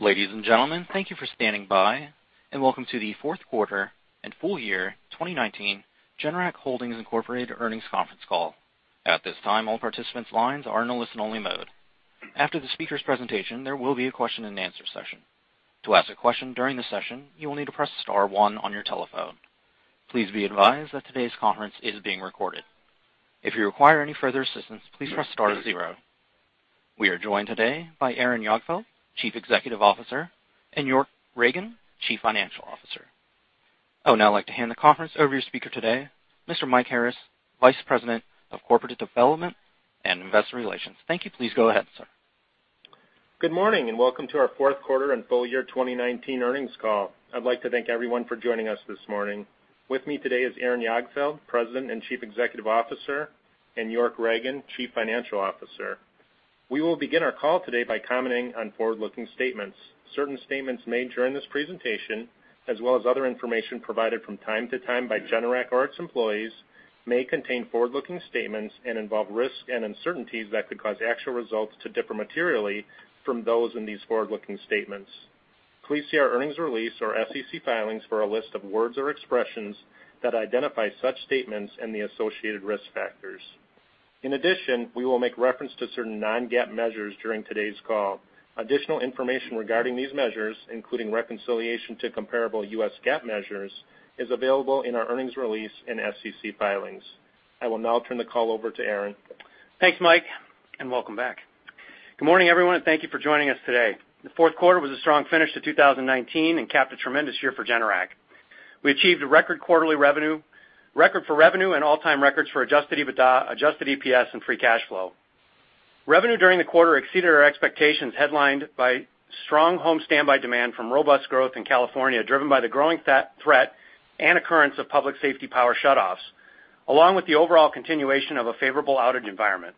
Ladies and gentlemen, thank you for standing by and welcome to the fourth quarter and full year 2019 Generac Holdings Incorporated earnings conference call. At this time, all participants' lines are in a listen-only mode. After the speaker's presentation, there will be a question-and-answer session. To ask a question during the session, you will need to press star one on your telephone. Please be advised that today's conference is being recorded. If you require any further assistance, please press star zero. We are joined today by Aaron Jagdfeld, Chief Executive Officer, and York Ragen, Chief Financial Officer. I would now like to hand the conference over to your speaker today, Mr. Mike Harris, Vice President of Corporate Development and Investor Relations. Thank you. Please go ahead, sir. Good morning, and welcome to our fourth quarter and full year 2019 earnings call. I'd like to thank everyone for joining us this morning. With me today is Aaron Jagdfeld, President and Chief Executive Officer, and York Ragen, Chief Financial Officer. We will begin our call today by commenting on forward-looking statements. Certain statements made during this presentation, as well as other information provided from time to time by Generac or its employees, may contain forward-looking statements and involve risks and uncertainties that could cause actual results to differ materially from those in these forward-looking statements. Please see our earnings release or SEC filings for a list of words or expressions that identify such statements and the associated risk factors. In addition, we will make reference to certain non-GAAP measures during today's call. Additional information regarding these measures, including reconciliation to comparable US GAAP measures, is available in our earnings release and SEC filings. I will now turn the call over to Aaron. Thanks, Mike, and welcome back. Good morning, everyone, and thank you for joining us today. The fourth quarter was a strong finish to 2019 and capped a tremendous year for Generac. We achieved a record for revenue and all-time records for adjusted EBITDA, adjusted EPS, and free cash flow. Revenue during the quarter exceeded our expectations, headlined by strong home standby demand from robust growth in California, driven by the growing threat and occurrence of public safety power shutoffs, along with the overall continuation of a favorable outage environment.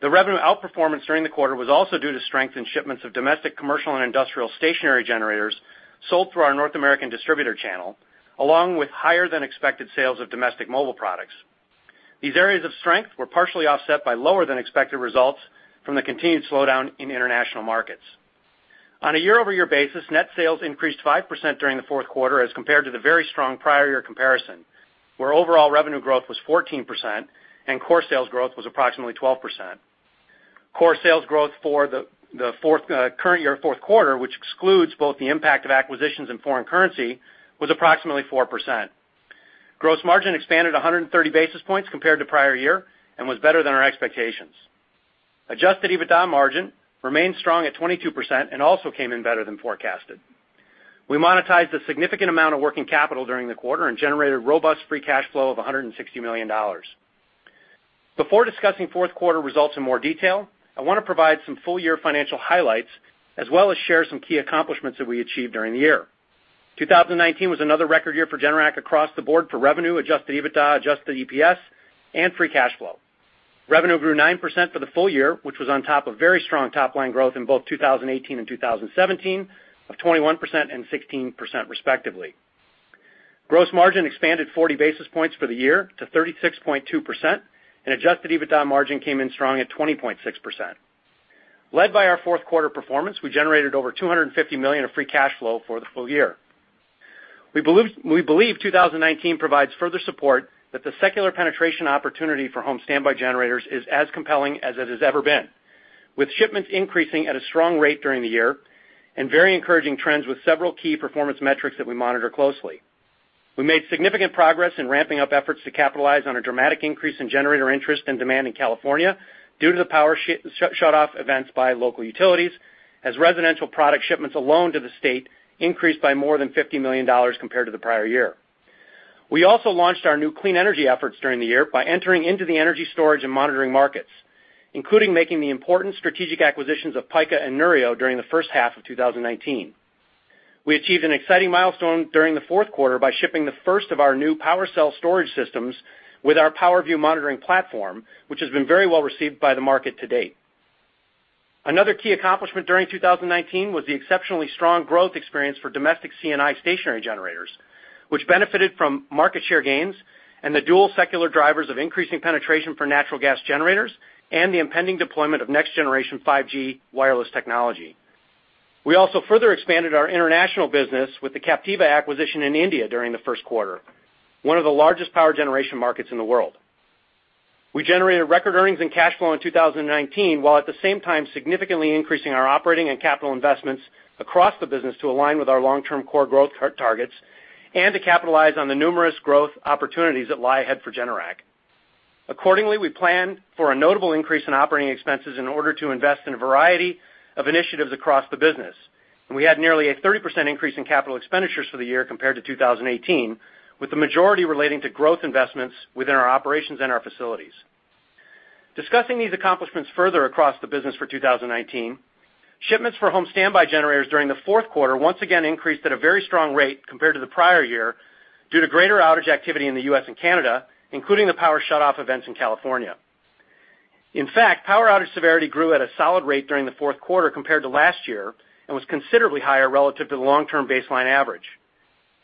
The revenue outperformance during the quarter was also due to strength in shipments of domestic, commercial, and industrial stationary generators sold through our North American distributor channel, along with higher-than-expected sales of domestic mobile products. These areas of strength were partially offset by lower-than-expected results from the continued slowdown in international markets. On a year-over-year basis, net sales increased 5% during the fourth quarter as compared to the very strong prior year comparison, where overall revenue growth was 14% and core sales growth was approximately 12%. Core sales growth for the current year fourth quarter, which excludes both the impact of acquisitions and foreign currency, was approximately 4%. Gross margin expanded 130 basis points compared to prior year and was better than our expectations. Adjusted EBITDA margin remained strong at 22% and also came in better than forecasted. We monetized a significant amount of working capital during the quarter and generated robust free cash flow of $160 million. Before discussing fourth quarter results in more detail, I want to provide some full-year financial highlights as well as share some key accomplishments that we achieved during the year. 2019 was another record year for Generac across the board for revenue, adjusted EBITDA, adjusted EPS, and free cash flow. Revenue grew 9% for the full year, which was on top of very strong top-line growth in both 2018 and 2017 of 21% and 16% respectively. Gross margin expanded 40 basis points for the year to 36.2%, and adjusted EBITDA margin came in strong at 20.6%. Led by our fourth quarter performance, we generated over $250 million of free cash flow for the full year. We believe 2019 provides further support that the secular penetration opportunity for home standby generators is as compelling as it has ever been, with shipments increasing at a strong rate during the year and very encouraging trends with several key performance metrics that we monitor closely. We made significant progress in ramping up efforts to capitalize on a dramatic increase in generator interest and demand in California due to the power shutoff events by local utilities, as residential product shipments alone to the state increased by more than $50 million compared to the prior year. We also launched our new clean energy efforts during the year by entering into the energy storage and monitoring markets, including making the important strategic acquisitions of Pika and Neurio during the first half of 2019. We achieved an exciting milestone during the fourth quarter by shipping the first of our new PWRcell storage systems with our PWRview monitoring platform, which has been very well received by the market to date. Another key accomplishment during 2019 was the exceptionally strong growth experience for domestic C&I stationary generators, which benefited from market share gains and the dual secular drivers of increasing penetration for natural gas generators and the impending deployment of next-generation 5G wireless technology. We also further expanded our international business with the Captiva acquisition in India during the first quarter, one of the largest power generation markets in the world. We generated record earnings and cash flow in 2019, while at the same time significantly increasing our operating and capital investments across the business to align with our long-term core growth targets and to capitalize on the numerous growth opportunities that lie ahead for Generac. Accordingly, we plan for a notable increase in operating expenses in order to invest in a variety of initiatives across the business. We had nearly a 30% increase in capital expenditures for the year compared to 2018, with the majority relating to growth investments within our operations and our facilities. Discussing these accomplishments further across the business for 2019, shipments for home standby generators during the fourth quarter once again increased at a very strong rate compared to the prior year due to greater outage activity in the U.S. and Canada, including the power shutoff events in California. In fact, power outage severity grew at a solid rate during the fourth quarter compared to last year and was considerably higher relative to the long-term baseline average.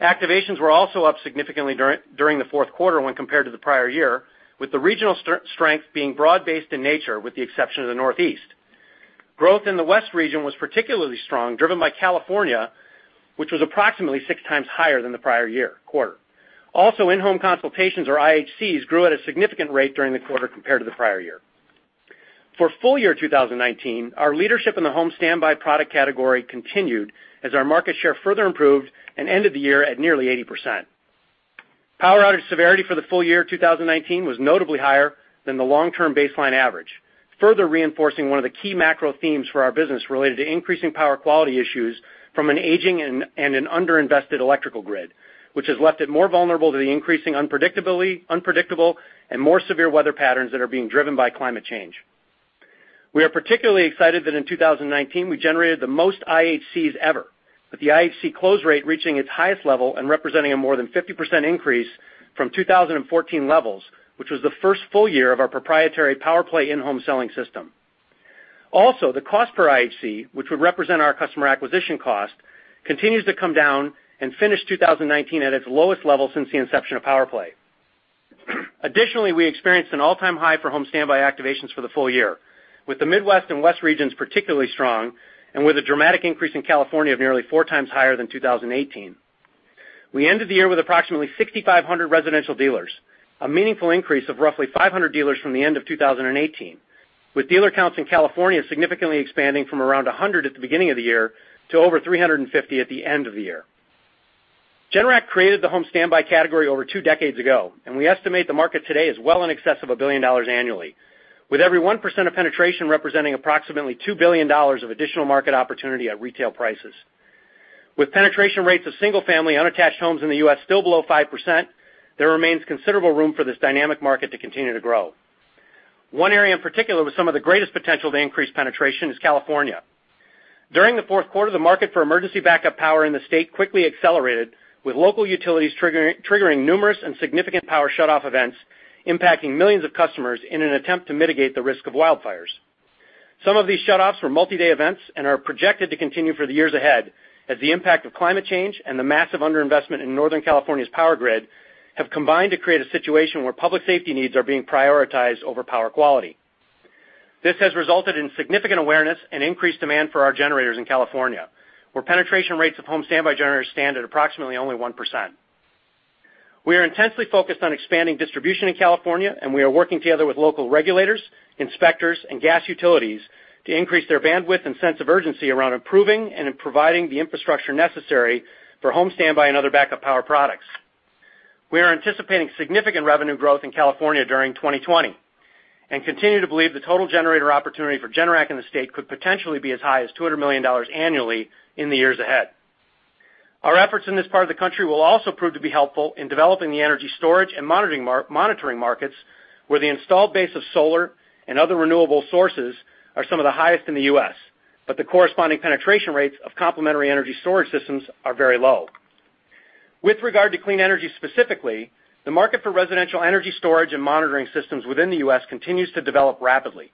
Activations were also up significantly during the fourth quarter when compared to the prior year, with the regional strength being broad-based in nature, with the exception of the Northeast. Growth in the West region was particularly strong, driven by California, which was approximately six times higher than the prior year quarter. In-home consultations, or IHCs, grew at a significant rate during the quarter compared to the prior year. For full year 2019, our leadership in the home standby product category continued as our market share further improved and ended the year at nearly 80%. Power outage severity for the full year 2019 was notably higher than the long-term baseline average, further reinforcing one of the key macro themes for our business related to increasing power quality issues from an aging and an under-invested electrical grid, which has left it more vulnerable to the increasing unpredictable and more severe weather patterns that are being driven by climate change. We are particularly excited that in 2019, we generated the most IHCs ever. With the IHC close rate reaching its highest level and representing a more than 50% increase from 2014 levels, which was the first full year of our proprietary PowerPlay in-home selling system. The cost per IHC, which would represent our customer acquisition cost, continues to come down and finished 2019 at its lowest level since the inception of PowerPlay. We experienced an all-time high for home standby activations for the full year, with the Midwest and West regions particularly strong and with a dramatic increase in California of nearly four times higher than 2018. We ended the year with approximately 6,500 residential dealers, a meaningful increase of roughly 500 dealers from the end of 2018, with dealer counts in California significantly expanding from around 100 at the beginning of the year to over 350 at the end of the year. Generac created the home standby category over two decades ago, we estimate the market today is well in excess of $1 billion annually, with every 1% of penetration representing approximately $2 billion of additional market opportunity at retail prices. With penetration rates of single-family unattached homes in the U.S. still below 5%, there remains considerable room for this dynamic market to continue to grow. One area in particular with some of the greatest potential to increase penetration is California. During the fourth quarter, the market for emergency backup power in the state quickly accelerated, with local utilities triggering numerous and significant power shutoff events, impacting millions of customers in an attempt to mitigate the risk of wildfires. Some of these shutoffs were multi-day events and are projected to continue for the years ahead as the impact of climate change and the massive under-investment in Northern California's power grid have combined to create a situation where public safety needs are being prioritized over power quality. This has resulted in significant awareness and increased demand for our generators in California, where penetration rates of home standby generators stand at approximately only 1%. We are intensely focused on expanding distribution in California, and we are working together with local regulators, inspectors, and gas utilities to increase their bandwidth and sense of urgency around improving and providing the infrastructure necessary for home standby and other backup power products. We are anticipating significant revenue growth in California during 2020 and continue to believe the total generator opportunity for Generac in the state could potentially be as high as $200 million annually in the years ahead. Our efforts in this part of the country will also prove to be helpful in developing the energy storage and monitoring markets, where the installed base of solar and other renewable sources are some of the highest in the U.S., but the corresponding penetration rates of complementary energy storage systems are very low. With regard to clean energy specifically, the market for residential energy storage and monitoring systems within the U.S. continues to develop rapidly.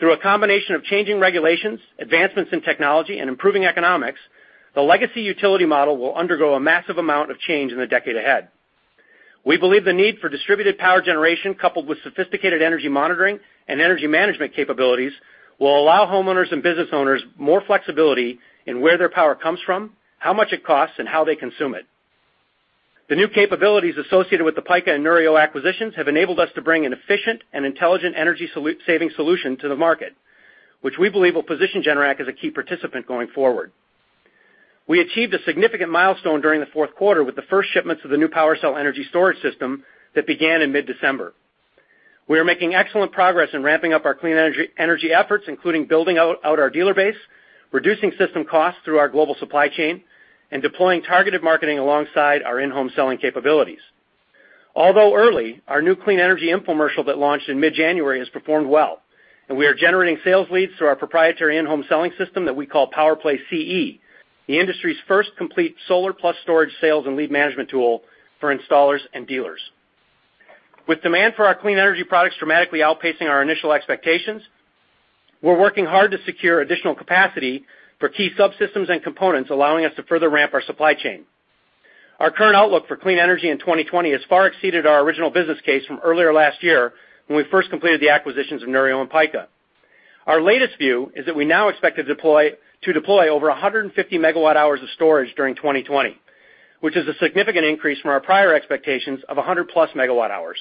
Through a combination of changing regulations, advancements in technology, and improving economics, the legacy utility model will undergo a massive amount of change in the decade ahead. We believe the need for distributed power generation coupled with sophisticated energy monitoring and energy management capabilities will allow homeowners and business owners more flexibility in where their power comes from, how much it costs, and how they consume it. The new capabilities associated with the Pika and Neurio acquisitions have enabled us to bring an efficient and intelligent energy-saving solution to the market, which we believe will position Generac as a key participant going forward. We achieved a significant milestone during the fourth quarter with the first shipments of the new PWRcell energy storage system that began in mid-December. We are making excellent progress in ramping up our clean energy efforts, including building out our dealer base, reducing system costs through our global supply chain, and deploying targeted marketing alongside our in-home selling capabilities. Although early, our new clean energy infomercial that launched in mid-January has performed well, and we are generating sales leads through our proprietary in-home selling system that we call PowerPlay CE, the industry's first complete solar plus storage, sales and lead management tool for installers and dealers. With demand for our clean energy products dramatically outpacing our initial expectations, we're working hard to secure additional capacity for key subsystems and components, allowing us to further ramp our supply chain. Our current outlook for clean energy in 2020 has far exceeded our original business case from earlier last year when we first completed the acquisitions of Neurio and Pika. Our latest view is that we now expect to deploy over 150 MWh of storage during 2020, which is a significant increase from our prior expectations of 100+ MWh.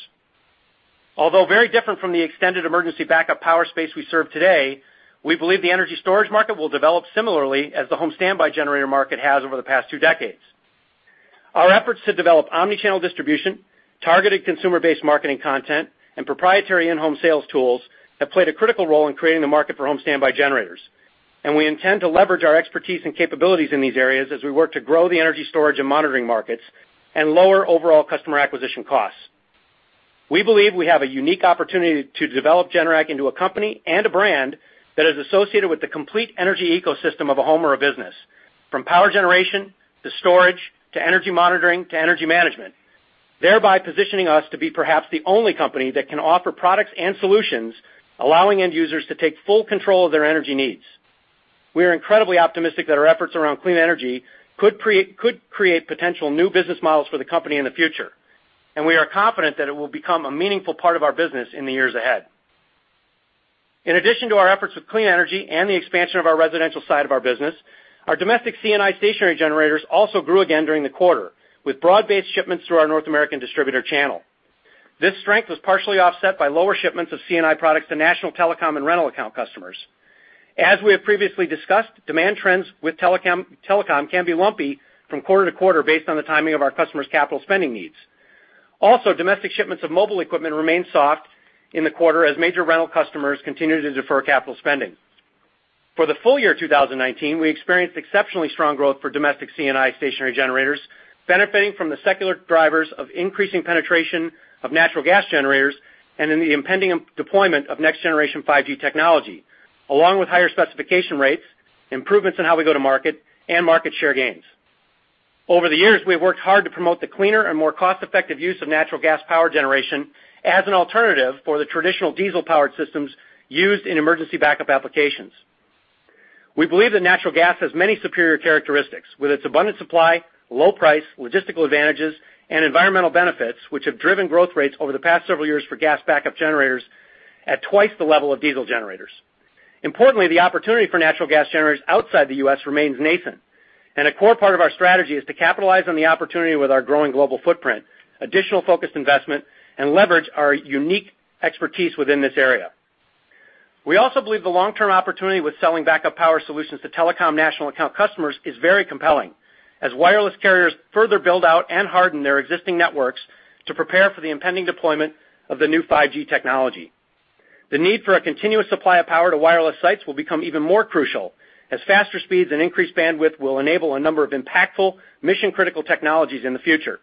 Although very different from the extended emergency backup power space we serve today, we believe the energy storage market will develop similarly as the home standby generator market has over the past two decades. Our efforts to develop omni-channel distribution, targeted consumer-based marketing content, and proprietary in-home sales tools have played a critical role in creating the market for home standby generators, and we intend to leverage our expertise and capabilities in these areas as we work to grow the energy storage and monitoring markets and lower overall customer acquisition costs. We believe we have a unique opportunity to develop Generac into a company and a brand that is associated with the complete energy ecosystem of a home or a business, from power generation to storage to energy monitoring to energy management. Thereby positioning us to be perhaps the only company that can offer products and solutions, allowing end users to take full control of their energy needs. We are incredibly optimistic that our efforts around clean energy could create potential new business models for the company in the future, and we are confident that it will become a meaningful part of our business in the years ahead. In addition to our efforts with clean energy and the expansion of our residential side of our business, our domestic C&I stationary generators also grew again during the quarter, with broad-based shipments through our North American distributor channel. This strength was partially offset by lower shipments of C&I products to national telecom and rental account customers. We have previously discussed, demand trends with telecom can be lumpy from quarter to quarter based on the timing of our customers' capital spending needs. Domestic shipments of mobile equipment remained soft in the quarter as major rental customers continued to defer capital spending. For the full year 2019, we experienced exceptionally strong growth for domestic C&I stationary generators, benefiting from the secular drivers of increasing penetration of natural gas generators and in the impending deployment of next generation 5G technology, along with higher specification rates, improvements in how we go to market, and market share gains. Over the years, we have worked hard to promote the cleaner and more cost-effective use of natural gas power generation as an alternative for the traditional diesel-powered systems used in emergency backup applications. We believe that natural gas has many superior characteristics, with its abundant supply, low price, logistical advantages, and environmental benefits, which have driven growth rates over the past several years for gas backup generators at twice the level of diesel generators. Importantly, the opportunity for natural gas generators outside the U.S. remains nascent. A core part of our strategy is to capitalize on the opportunity with our growing global footprint, additional focused investment, and leverage our unique expertise within this area. We also believe the long-term opportunity with selling backup power solutions to telecom national account customers is very compelling as wireless carriers further build out and harden their existing networks to prepare for the impending deployment of the new 5G technology. The need for a continuous supply of power to wireless sites will become even more crucial as faster speeds and increased bandwidth will enable a number of impactful mission-critical technologies in the future.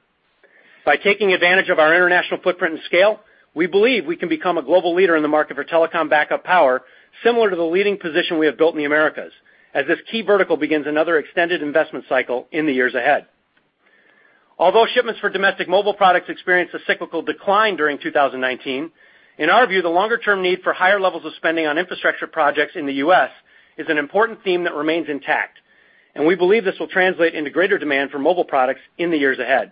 By taking advantage of our international footprint and scale, we believe we can become a global leader in the market for telecom backup power, similar to the leading position we have built in the Americas, as this key vertical begins another extended investment cycle in the years ahead. Although shipments for domestic mobile products experienced a cyclical decline during 2019, in our view, the longer-term need for higher levels of spending on infrastructure projects in the U.S. is an important theme that remains intact, and we believe this will translate into greater demand for mobile products in the years ahead.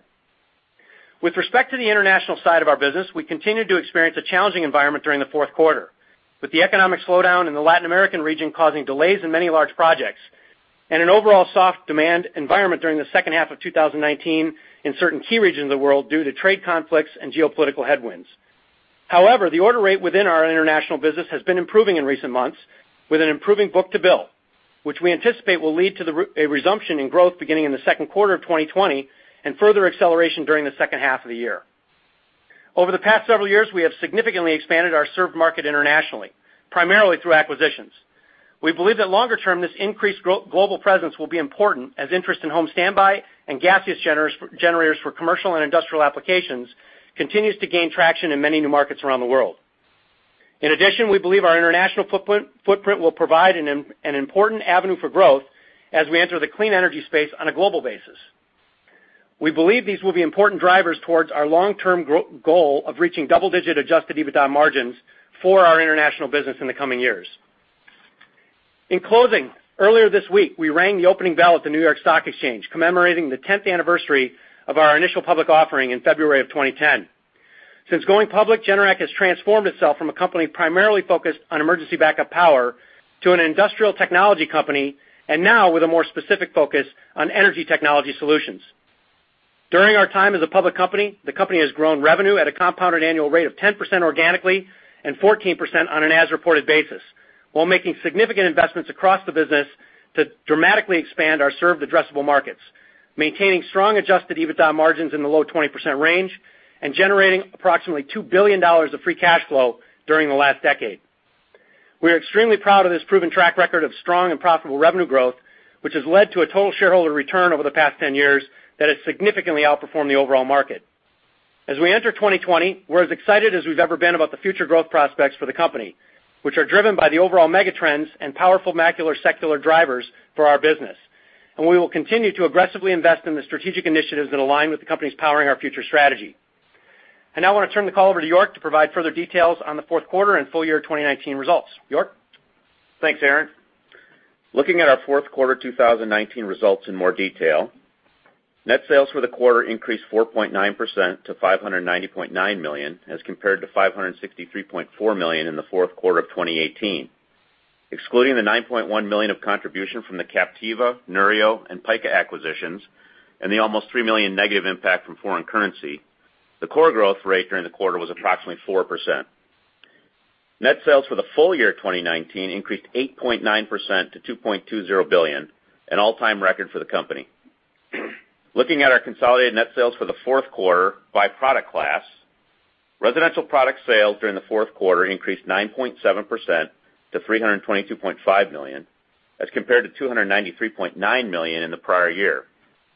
With respect to the international side of our business, we continued to experience a challenging environment during the fourth quarter, with the economic slowdown in the Latin American region causing delays in many large projects and an overall soft demand environment during the second half of 2019 in certain key regions of the world due to trade conflicts and geopolitical headwinds. The order rate within our international business has been improving in recent months with an improving book to bill, which we anticipate will lead to a resumption in growth beginning in the second quarter of 2020 and further acceleration during the second half of the year. Over the past several years, we have significantly expanded our served market internationally, primarily through acquisitions. We believe that longer term, this increased global presence will be important as interest in home standby and gaseous generators for commercial and industrial applications continues to gain traction in many new markets around the world. We believe our international footprint will provide an important avenue for growth as we enter the clean energy space on a global basis. We believe these will be important drivers towards our long-term goal of reaching double-digit adjusted EBITDA margins for our international business in the coming years. Earlier this week, we rang the opening bell at the New York Stock Exchange, commemorating the 10th anniversary of our initial public offering in February of 2010. Since going public, Generac has transformed itself from a company primarily focused on emergency backup power to an industrial technology company, and now with a more specific focus on energy technology solutions. During our time as a public company, the company has grown revenue at a compounded annual rate of 10% organically and 14% on an as-reported basis while making significant investments across the business to dramatically expand our served addressable markets, maintaining strong adjusted EBITDA margins in the low 20% range and generating approximately $2 billion of free cash flow during the last decade. We are extremely proud of this proven track record of strong and profitable revenue growth, which has led to a total shareholder return over the past 10 years that has significantly outperformed the overall market. As we enter 2020, we're as excited as we've ever been about the future growth prospects for the company, which are driven by the overall mega trends and powerful macro secular drivers for our business. We will continue to aggressively invest in the strategic initiatives that align with the company's Powering Our Future strategy. I now want to turn the call over to York to provide further details on the fourth quarter and full year 2019 results. York? Thanks, Aaron. Looking at our fourth quarter 2019 results in more detail, net sales for the quarter increased 4.9% to $590.9 million as compared to $563.4 million in the fourth quarter of 2018. Excluding the $9.1 million of contribution from the Captiva, Neurio, and Pika acquisitions and the almost $3 million negative impact from foreign currency, the core growth rate during the quarter was approximately 4%. Net sales for the full year 2019 increased 8.9% to $2.20 billion, an all-time record for the company. Looking at our consolidated net sales for the fourth quarter by product class, residential product sales during the fourth quarter increased 9.7% to $322.5 million as compared to $293.9 million in the prior year,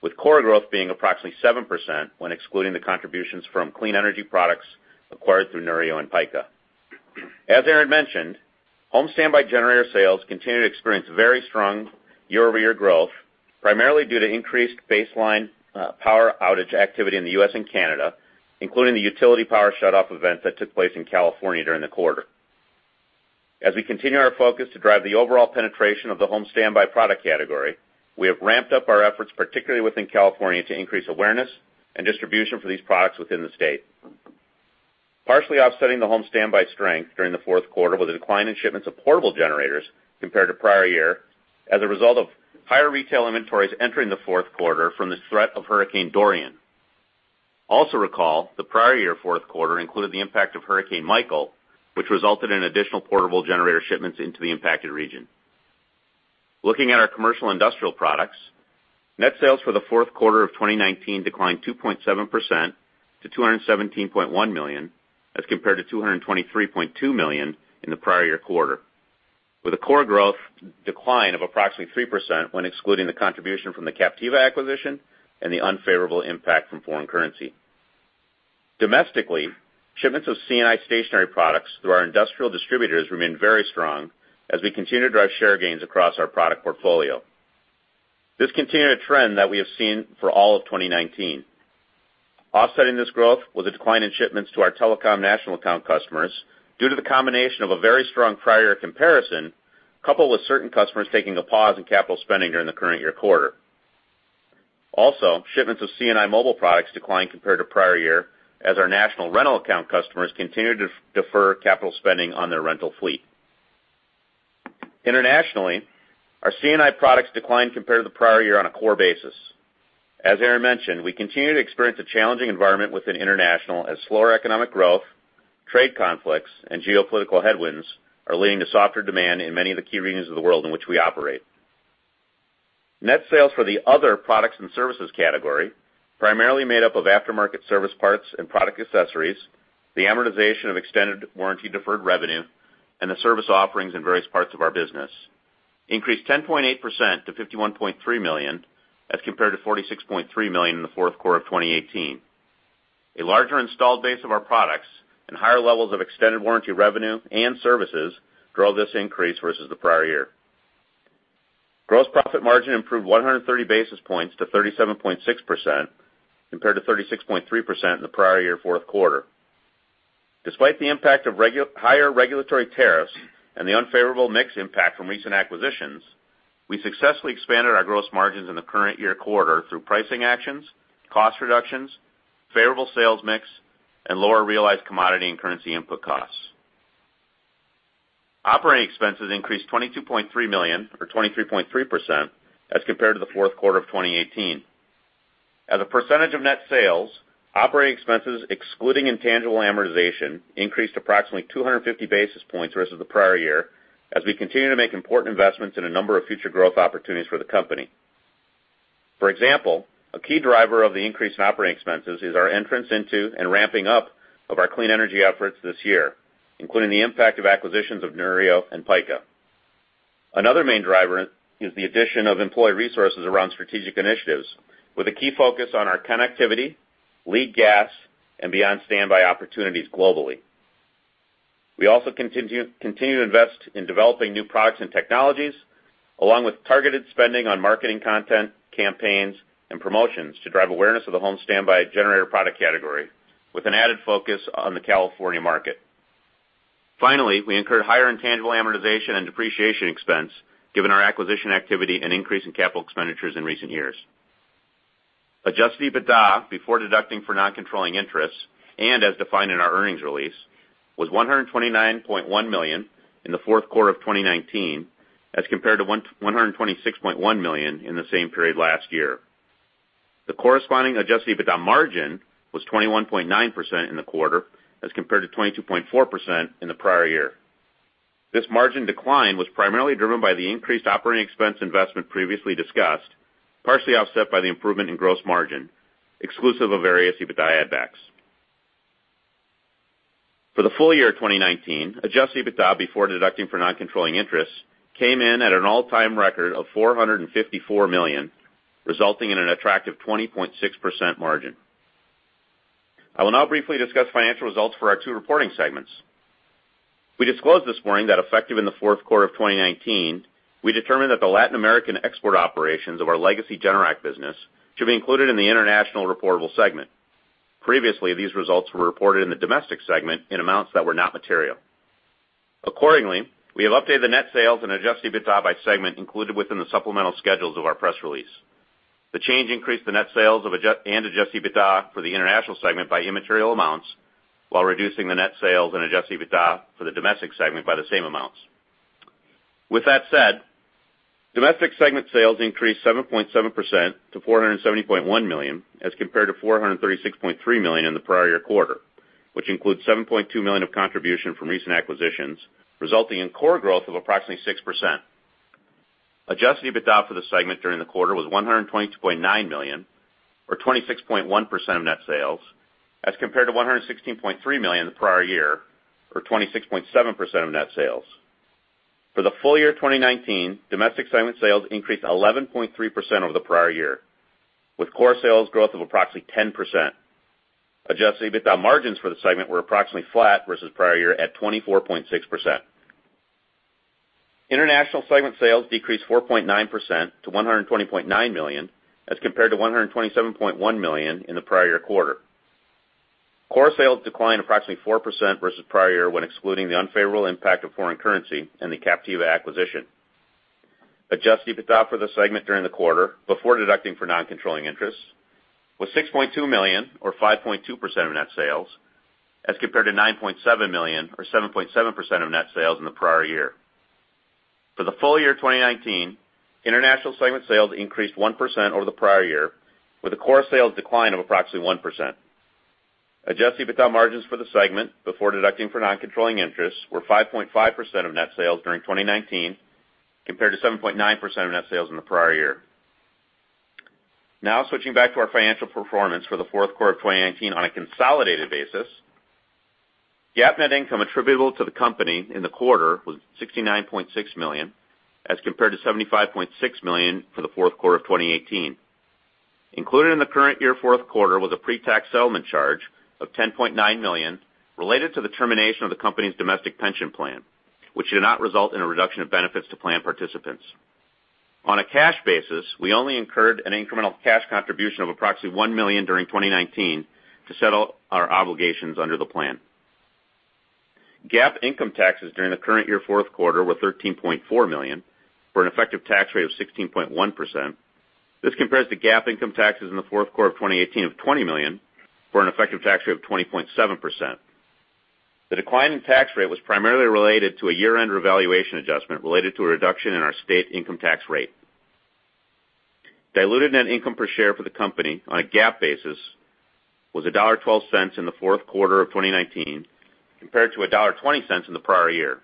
with core growth being approximately 7% when excluding the contributions from clean energy products acquired through Neurio and Pika. As Aaron mentioned, home standby generator sales continue to experience very strong year-over-year growth, primarily due to increased baseline power outage activity in the U.S. and Canada, including the utility power shutoff event that took place in California during the quarter. As we continue our focus to drive the overall penetration of the home standby product category, we have ramped up our efforts, particularly within California, to increase awareness and distribution for these products within the state. Partially offsetting the home standby strength during the fourth quarter was a decline in shipments of portable generators compared to prior year, as a result of higher retail inventories entering the fourth quarter from the threat of Hurricane Dorian. Also recall the prior year fourth quarter included the impact of Hurricane Michael, which resulted in additional portable generator shipments into the impacted region. Looking at our commercial industrial products, net sales for the fourth quarter of 2019 declined 2.7% to $217.1 million as compared to $223.2 million in the prior year quarter, with a core growth decline of approximately 3% when excluding the contribution from the Captiva acquisition and the unfavorable impact from foreign currency. Domestically, shipments of C&I stationary products through our industrial distributors remain very strong as we continue to drive share gains across our product portfolio. This continued a trend that we have seen for all of 2019. Offsetting this growth was a decline in shipments to our telecom national account customers due to the combination of a very strong prior year comparison, coupled with certain customers taking a pause in capital spending during the current year quarter. Also, shipments of C&I mobile products declined compared to prior year as our national rental account customers continued to defer capital spending on their rental fleet. Internationally, our C&I products declined compared to the prior year on a core basis. As Aaron mentioned, we continue to experience a challenging environment within international as slower economic growth, trade conflicts, and geopolitical headwinds are leading to softer demand in many of the key regions of the world in which we operate. Net sales for the other products and services category, primarily made up of aftermarket service parts and product accessories, the amortization of extended warranty deferred revenue, and the service offerings in various parts of our business increased 10.8% to $51.3 million as compared to $46.3 million in the fourth quarter of 2018. A larger installed base of our products and higher levels of extended warranty revenue and services drove this increase versus the prior year. Gross profit margin improved 130 basis points to 37.6% compared to 36.3% in the prior year fourth quarter. Despite the impact of higher regulatory tariffs and the unfavorable mix impact from recent acquisitions, we successfully expanded our gross margins in the current year quarter through pricing actions, cost reductions, favorable sales mix, and lower realized commodity and currency input costs. Operating expenses increased $22.3 million or 23.3% as compared to the fourth quarter of 2018. As a percentage of net sales, operating expenses excluding intangible amortization increased approximately 250 basis points versus the prior year as we continue to make important investments in a number of future growth opportunities for the company. For example, a key driver of the increase in operating expenses is our entrance into and ramping up of our clean energy efforts this year, including the impact of acquisitions of Neurio and Pika. Another main driver is the addition of employee resources around strategic initiatives with a key focus on our connectivity, lead gas, and beyond standby opportunities globally. We also continue to invest in developing new products and technologies, along with targeted spending on marketing content, campaigns, and promotions to drive awareness of the home standby generator product category with an added focus on the California market. We incurred higher intangible amortization and depreciation expense given our acquisition activity and increase in capital expenditures in recent years. Adjusted EBITDA, before deducting for non-controlling interests and as defined in our earnings release, was $129.1 million in the fourth quarter of 2019 as compared to $126.1 million in the same period last year. The corresponding adjusted EBITDA margin was 21.9% in the quarter as compared to 22.4% in the prior year. This margin decline was primarily driven by the increased operating expense investment previously discussed, partially offset by the improvement in gross margin, exclusive of various EBITDA add backs. For the full year of 2019, adjusted EBITDA before deducting for non-controlling interests came in at an all-time record of $454 million, resulting in an attractive 20.6% margin. I will now briefly discuss financial results for our two reporting segments. We disclosed this morning that effective in the fourth quarter of 2019, we determined that the Latin American export operations of our legacy Generac business should be included in the international reportable segment. Previously, these results were reported in the domestic segment in amounts that were not material. Accordingly, we have updated the net sales and adjusted EBITDA by segment included within the supplemental schedules of our press release. The change increased the net sales and adjusted EBITDA for the international segment by immaterial amounts while reducing the net sales and adjusted EBITDA for the domestic segment by the same amounts. With that said, domestic segment sales increased 7.7% to $470.1 million as compared to $436.3 million in the prior year quarter, which includes $7.2 million of contribution from recent acquisitions, resulting in core growth of approximately 6%. Adjusted EBITDA for the segment during the quarter was $122.9 million or 26.1% of net sales as compared to $116.3 million the prior year or 26.7% of net sales. For the full year 2019, domestic segment sales increased 11.3% over the prior year, with core sales growth of approximately 10%. Adjusted EBITDA margins for the segment were approximately flat versus prior year at 24.6%. International segment sales decreased 4.9% to $120.9 million as compared to $127.1 million in the prior year quarter. Core sales declined approximately 4% versus prior year when excluding the unfavorable impact of foreign currency and the Captiva acquisition. Adjusted EBITDA for the segment during the quarter, before deducting for non-controlling interests, was $6.2 million, or 5.2% of net sales, as compared to $9.7 million, or 7.7% of net sales in the prior year. For the full year 2019, international segment sales increased 1% over the prior year, with a core sales decline of approximately 1%. Adjusted EBITDA margins for the segment, before deducting for non-controlling interests, were 5.5% of net sales during 2019, compared to 7.9% of net sales in the prior year. Now switching back to our financial performance for the fourth quarter of 2019 on a consolidated basis. GAAP net income attributable to the company in the quarter was $69.6 million, as compared to $75.6 million for the fourth quarter of 2018. Included in the current year fourth quarter was a pre-tax settlement charge of $10.9 million related to the termination of the company's domestic pension plan, which did not result in a reduction of benefits to plan participants. On a cash basis, we only incurred an incremental cash contribution of approximately $1 million during 2019 to settle our obligations under the plan. GAAP income taxes during the current year fourth quarter were $13.4 million, for an effective tax rate of 16.1%. This compares to GAAP income taxes in the fourth quarter of 2018 of $20 million, for an effective tax rate of 20.7%. The decline in tax rate was primarily related to a year-end revaluation adjustment related to a reduction in our state income tax rate. Diluted net income per share for the company on a GAAP basis was $1.12 in the fourth quarter of 2019, compared to $1.20 in the prior year.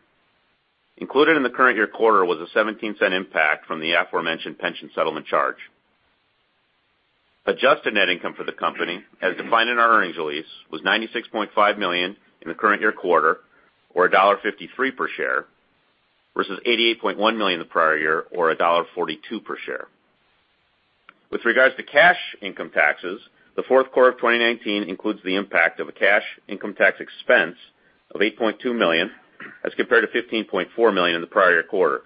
Included in the current year quarter was a $0.17 impact from the aforementioned pension settlement charge. Adjusted net income for the company, as defined in our earnings release, was $96.5 million in the current year quarter, or $1.53 per share, versus $88.1 million in the prior year, or $1.42 per share. With regards to cash income taxes, the fourth quarter of 2019 includes the impact of a cash income tax expense of $8.2 million, as compared to $15.4 million in the prior quarter.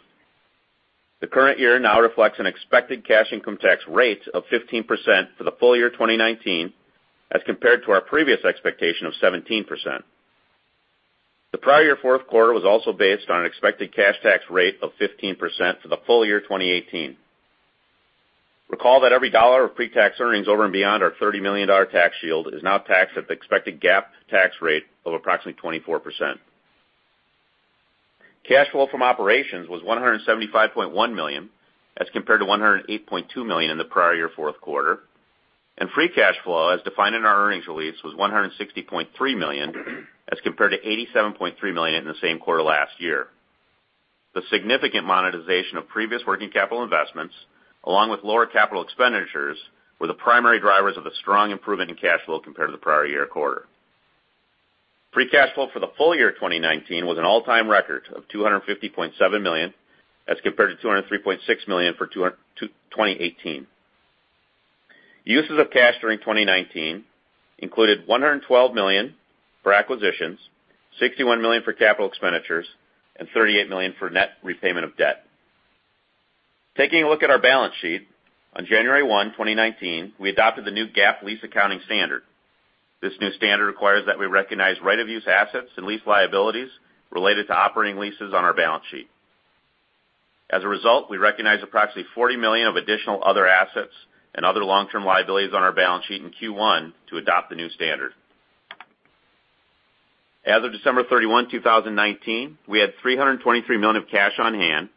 The current year now reflects an expected cash income tax rate of 15% for the full year 2019, as compared to our previous expectation of 17%. The prior year fourth quarter was also based on an expected cash tax rate of 15% for the full year 2018. Recall that every dollar of pre-tax earnings over and beyond our $30 million tax shield is now taxed at the expected GAAP tax rate of approximately 24%. Cash flow from operations was $175.1 million, as compared to $108.2 million in the prior year fourth quarter, and free cash flow, as defined in our earnings release, was $160.3 million, as compared to $87.3 million in the same quarter last year. The significant monetization of previous working capital investments, along with lower capital expenditures, were the primary drivers of the strong improvement in cash flow compared to the prior year quarter. Free cash flow for the full year 2019 was an all-time record of $250.7 million, as compared to $203.6 million for 2018. Uses of cash during 2019 included $112 million for acquisitions, $61 million for capital expenditures, and $38 million for net repayment of debt. Taking a look at our balance sheet, on January 1, 2019, we adopted the new GAAP lease accounting standard. This new standard requires that we recognize right-of-use assets and lease liabilities related to operating leases on our balance sheet. As a result, we recognized approximately $40 million of additional other assets and other long-term liabilities on our balance sheet in Q1 to adopt the new standard. As of December 31, 2019, we had $323 million of cash on hand,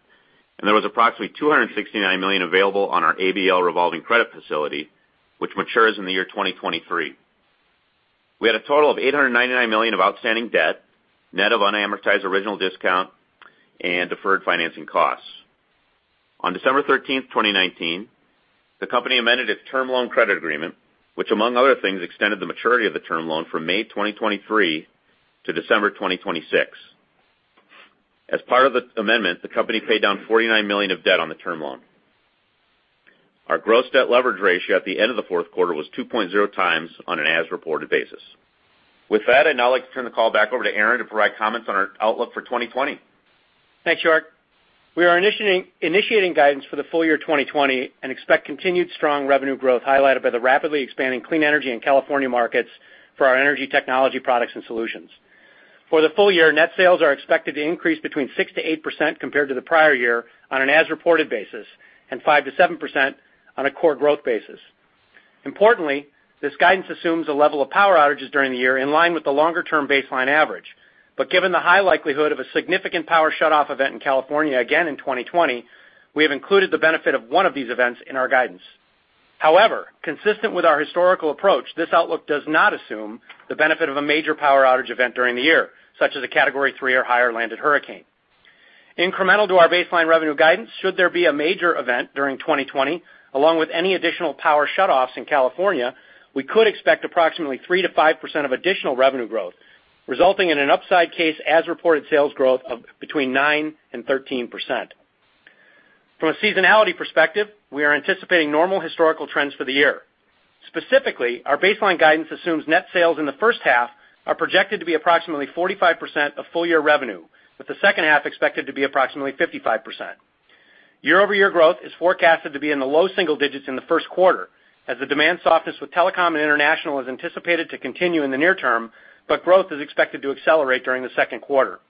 and there was approximately $269 million available on our ABL revolving credit facility, which matures in the year 2023. We had a total of $899 million of outstanding debt, net of unamortized original discount and deferred financing costs. On December 13, 2019, the company amended its term loan credit agreement, which among other things extended the maturity of the term loan from May 2023 to December 2026. As part of the amendment, the company paid down $49 million of debt on the term loan. Our gross debt leverage ratio at the end of the fourth quarter was 2.0x on an as-reported basis. With that, I'd now like to turn the call back over to Aaron to provide comments on our outlook for 2020. Thanks, York. We are initiating guidance for the full year 2020 and expect continued strong revenue growth highlighted by the rapidly expanding clean energy and California markets for our energy technology products and solutions. For the full year, net sales are expected to increase between 6%-8% compared to the prior year on an as-reported basis and 5%-7% on a core growth basis. Importantly, this guidance assumes a level of power outages during the year in line with the longer-term baseline average. Given the high likelihood of a significant power shutoff event in California again in 2020, we have included the benefit of one of these events in our guidance. Consistent with our historical approach, this outlook does not assume the benefit of a major power outage event during the year, such as a Category 3 or higher landed hurricane. Incremental to our baseline revenue guidance, should there be a major event during 2020, along with any additional power shutoffs in California, we could expect approximately 3%-5% of additional revenue growth, resulting in an upside case as-reported sales growth of between 9% and 13%. From a seasonality perspective, we are anticipating normal historical trends for the year. Specifically, our baseline guidance assumes net sales in the first half are projected to be approximately 45% of full-year revenue, with the second half expected to be approximately 55%. Year-over-year growth is forecasted to be in the low single digits in the first quarter as the demand softness with telecom and international is anticipated to continue in the near term, but growth is expected to accelerate during the second quarter.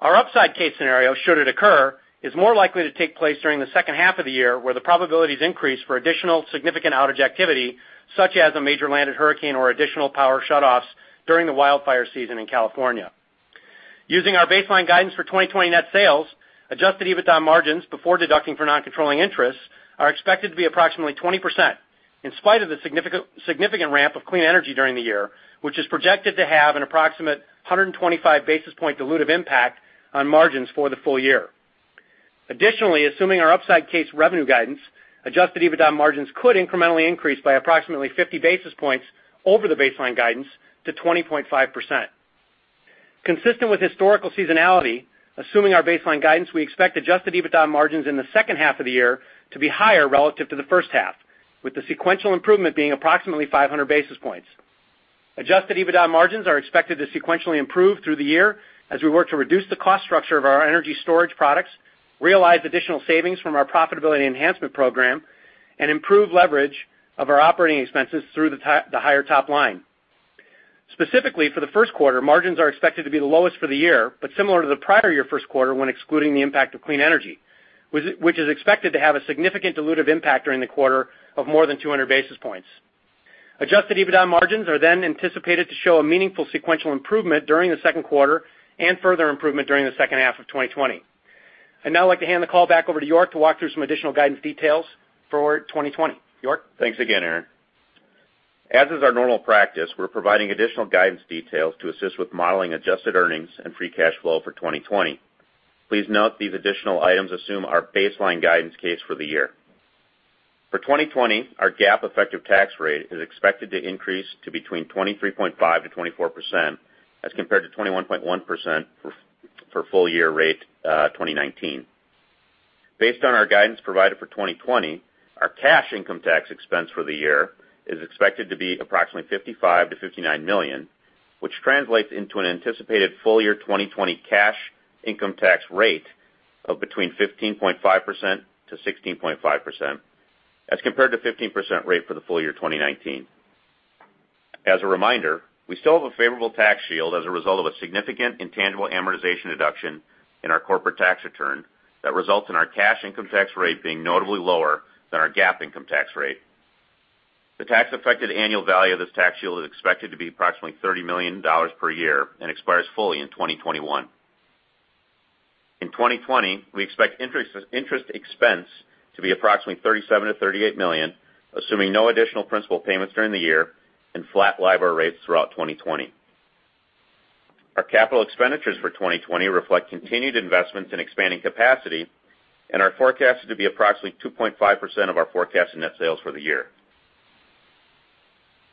Our upside case scenario, should it occur, is more likely to take place during the second half of the year where the probabilities increase for additional significant outage activity, such as a major landed hurricane or additional power shutoffs during the wildfire season in California. Using our baseline guidance for 2020 net sales, adjusted EBITDA margins before deducting for non-controlling interests are expected to be approximately 20%, in spite of the significant ramp of clean energy during the year, which is projected to have an approximate 125 basis point dilutive impact on margins for the full year. Assuming our upside case revenue guidance, adjusted EBITDA margins could incrementally increase by approximately 50 basis points over the baseline guidance to 20.5%. Consistent with historical seasonality, assuming our baseline guidance, we expect adjusted EBITDA margins in the second half of the year to be higher relative to the first half, with the sequential improvement being approximately 500 basis points. Adjusted EBITDA margins are expected to sequentially improve through the year as we work to reduce the cost structure of our energy storage products, realize additional savings from our profitability enhancement program, and improve leverage of our operating expenses through the higher top line. Specifically for the first quarter, margins are expected to be the lowest for the year, but similar to the prior year first quarter when excluding the impact of clean energy, which is expected to have a significant dilutive impact during the quarter of more than 200 basis points. Adjusted EBITDA margins are anticipated to show a meaningful sequential improvement during the second quarter and further improvement during the second half of 2020. I'd now like to hand the call back over to York to walk through some additional guidance details for 2020. York? Thanks again, Aaron. As is our normal practice, we're providing additional guidance details to assist with modeling adjusted earnings and free cash flow for 2020. Please note these additional items assume our baseline guidance case for the year. For 2020, our GAAP effective tax rate is expected to increase to between 23.5%-24%, as compared to 21.1% for full-year rate 2019. Based on our guidance provided for 2020, our cash income tax expense for the year is expected to be approximately $55 million-$59 million, which translates into an anticipated full-year 2020 cash income tax rate of between 15.5%-16.5%, as compared to 15% rate for the full year 2019. As a reminder, we still have a favorable tax shield as a result of a significant intangible amortization deduction in our corporate tax return that results in our cash income tax rate being notably lower than our GAAP income tax rate. The tax affected annual value of this tax shield is expected to be approximately $30 million per year and expires fully in 2021. In 2020, we expect interest expense to be approximately $37 million-$38 million, assuming no additional principal payments during the year and flat LIBOR rates throughout 2020. Our capital expenditures for 2020 reflect continued investments in expanding capacity and are forecasted to be approximately 2.5% of our forecasted net sales for the year.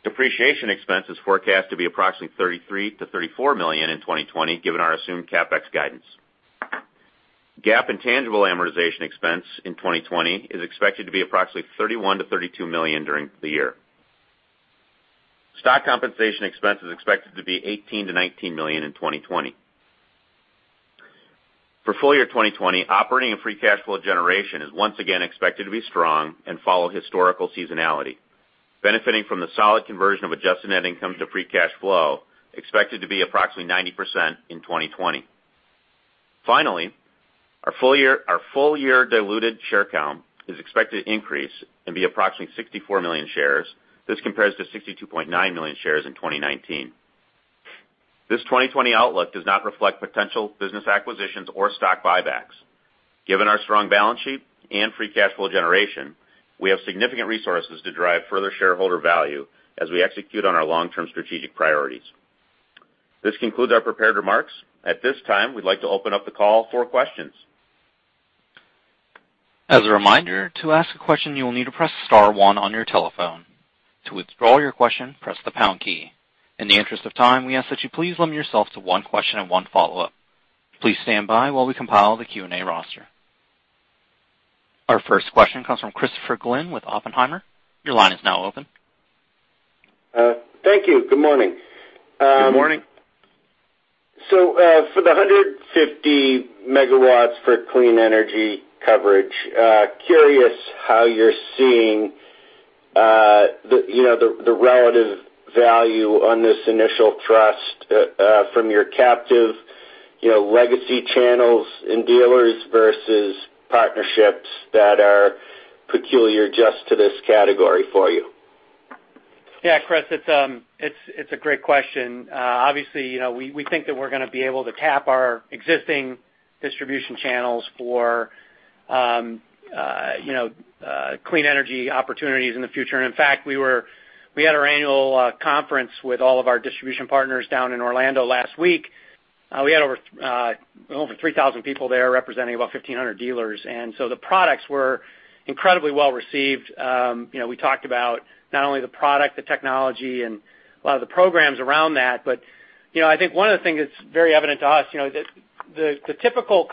Depreciation expense is forecast to be approximately $33 million-$34 million in 2020 given our assumed CapEx guidance. GAAP intangible amortization expense in 2020 is expected to be approximately $31 million-$32 million during the year. Stock compensation expense is expected to be $18 million-$19 million in 2020. For full-year 2020, operating and free cash flow generation is once again expected to be strong and follow historical seasonality, benefiting from the solid conversion of adjusted net income to free cash flow expected to be approximately 90% in 2020. Finally, our full-year diluted share count is expected to increase and be approximately 64 million shares. This compares to 62.9 million shares in 2019. This 2020 outlook does not reflect potential business acquisitions or stock buybacks. Given our strong balance sheet and free cash flow generation, we have significant resources to drive further shareholder value as we execute on our long-term strategic priorities. This concludes our prepared remarks. At this time, we'd like to open up the call for questions. As a reminder, to ask a question you will need to press star one on your telephone. To withdraw your question, press the pound key. In the interest of time, we ask that you please limit yourself to one question and one follow-up. Please stand by while we compile the Q&A roster. Our first question comes from Christopher Glynn with Oppenheimer. Your line is now open. Thank you. Good morning. Good morning. For the 150 MW for clean energy coverage, curious how you're seeing the relative value on this initial trust from your captive legacy channels and dealers versus partnerships that are peculiar just to this category for you. Yeah, Chris, it's a great question. Obviously, we think that we're going to be able to tap our existing distribution channels for clean energy opportunities in the future. In fact, we had our annual conference with all of our distribution partners down in Orlando last week. We had over 3,000 people there representing about 1,500 dealers. The products were incredibly well received. We talked about not only the product, the technology, and a lot of the programs around that, but I think one of the things that's very evident to us, the typical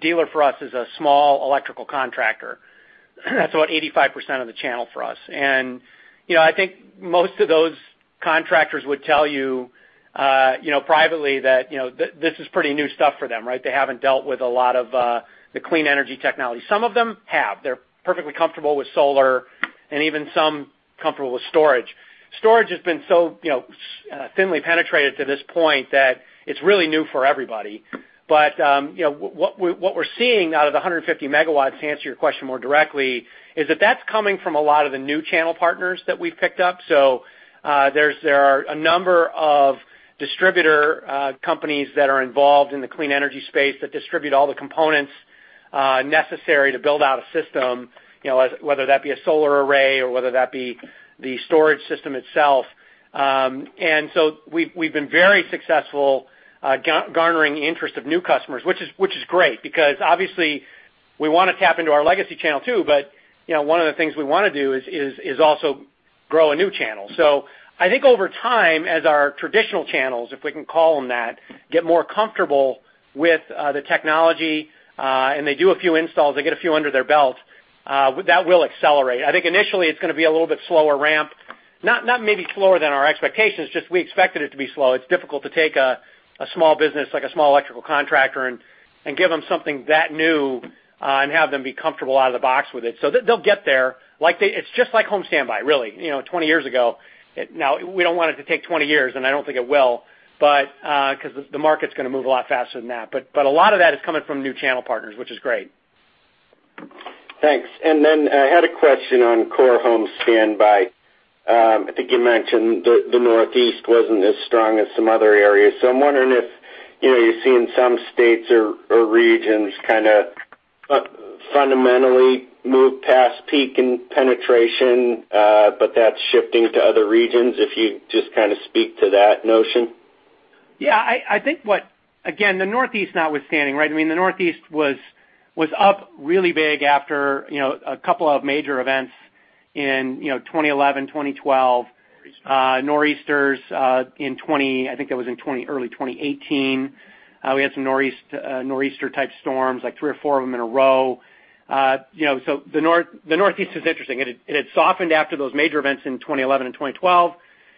dealer for us is a small electrical contractor. That's about 85% of the channel for us. I think most of those contractors would tell you privately that this is pretty new stuff for them, right? They haven't dealt with a lot of the clean energy technology. Some of them have, they're perfectly comfortable with solar and even some comfortable with storage. Storage has been so thinly penetrated to this point that it's really new for everybody. What we're seeing out of the 150 MW, to answer your question more directly, is that that's coming from a lot of the new channel partners that we've picked up. There are a number of distributor companies that are involved in the clean energy space that distribute all the components necessary to build out a system, whether that be a solar array or whether that be the storage system itself. We've been very successful garnering the interest of new customers, which is great because obviously we want to tap into our legacy channel too. One of the things we want to do is also grow a new channel. I think over time, as our traditional channels, if we can call them that, get more comfortable with the technology, and they do a few installs, they get a few under their belt, that will accelerate. I think initially it's going to be a little bit slower ramp, not maybe slower than our expectations, just we expected it to be slow. It's difficult to take a small business like a small electrical contractor and give them something that new, and have them be comfortable out of the box with it. They'll get there. It's just like home standby, really, 20 years ago. Now, we don't want it to take 20 years, and I don't think it will, because the market's going to move a lot faster than that. A lot of that is coming from new channel partners, which is great. Thanks. I had a question on core home standby. I think you mentioned the Northeast wasn't as strong as some other areas. I'm wondering if you're seeing some states or regions kind of fundamentally move past peak in penetration, but that's shifting to other regions, if you just kind of speak to that notion. Yeah, I think again, the Northeast notwithstanding, right? The Northeast was up really big after a couple of major events in 2011, 2012. Northeast. Northeasters in 2018. We had some Northeaster-type storms, like three or four of them in a row. The Northeast is interesting. It had softened after those major events in 2011 and 2012.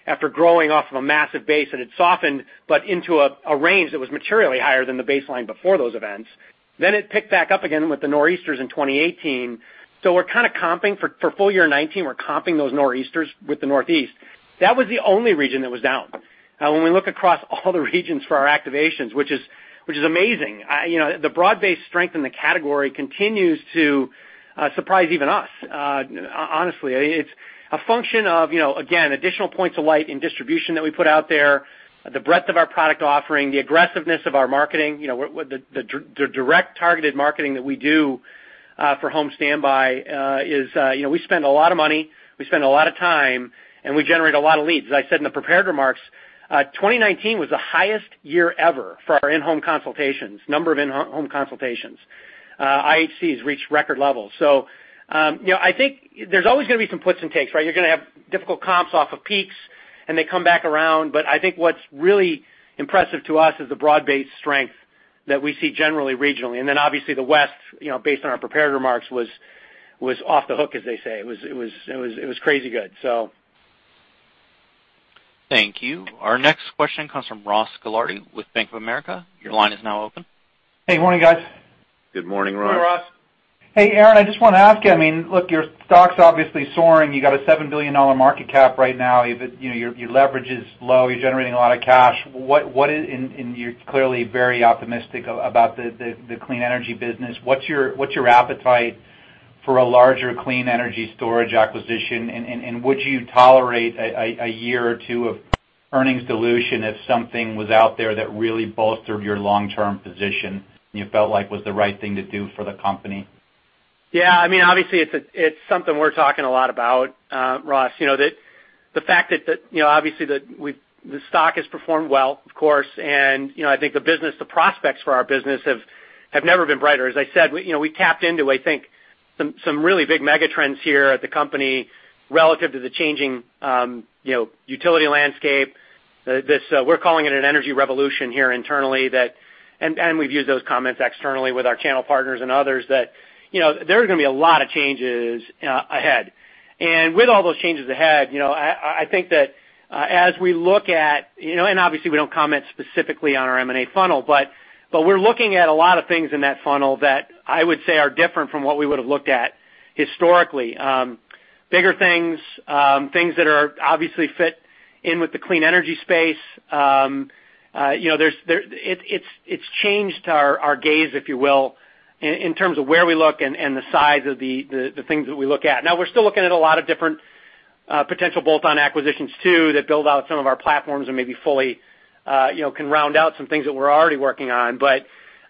After growing off of a massive base, it had softened, but into a range that was materially higher than the baseline before those events. It picked back up again with the Northeasters in 2018. We're kind of comping for full year 2019. We're comping those Northeasters with the Northeast. That was the only region that was down. When we look across all the regions for our activations, which is amazing. The broad-based strength in the category continues to surprise even us. Honestly, it's a function of, again, additional points of light in distribution that we put out there, the breadth of our product offering, the aggressiveness of our marketing. The direct targeted marketing that we do for home standby is we spend a lot of money, we spend a lot of time, and we generate a lot of leads. As I said in the prepared remarks, 2019 was the highest year ever for our in-home consultations, number of in-home consultations. IHCs reached record levels. I think there's always going to be some puts and takes, right? You're going to have difficult comps off of peaks, and they come back around. I think what's really impressive to us is the broad-based strength that we see generally regionally. Obviously the West, based on our prepared remarks, was off the hook, as they say. It was crazy good. Thank you. Our next question comes from Ross Gilardi with Bank of America. Your line is now open. Hey, good morning, guys. Good morning, Ross. Hey, Ross. Hey, Aaron, I just want to ask you, look, your stock's obviously soaring. You got a $7 billion market cap right now. Your leverage is low. You're generating a lot of cash. You're clearly very optimistic about the clean energy business. What's your appetite for a larger clean energy storage acquisition? Would you tolerate a year or two of earnings dilution if something was out there that really bolstered your long-term position and you felt like was the right thing to do for the company? Yeah, obviously, it's something we're talking a lot about, Ross. The fact that obviously the stock has performed well, of course, I think the prospects for our business have never been brighter. As I said, we tapped into, I think, some really big mega trends here at the company relative to the changing utility landscape. We're calling it an energy revolution here internally, we've used those comments externally with our channel partners and others that there are going to be a lot of changes ahead. With all those changes ahead, I think that as we look at, obviously we don't comment specifically on our M&A funnel, we're looking at a lot of things in that funnel that I would say are different from what we would've looked at historically. Bigger things that obviously fit in with the clean energy space. It's changed our gaze, if you will, in terms of where we look and the size of the things that we look at. Now, we're still looking at a lot of different potential bolt-on acquisitions too that build out some of our platforms and maybe fully can round out some things that we're already working on. There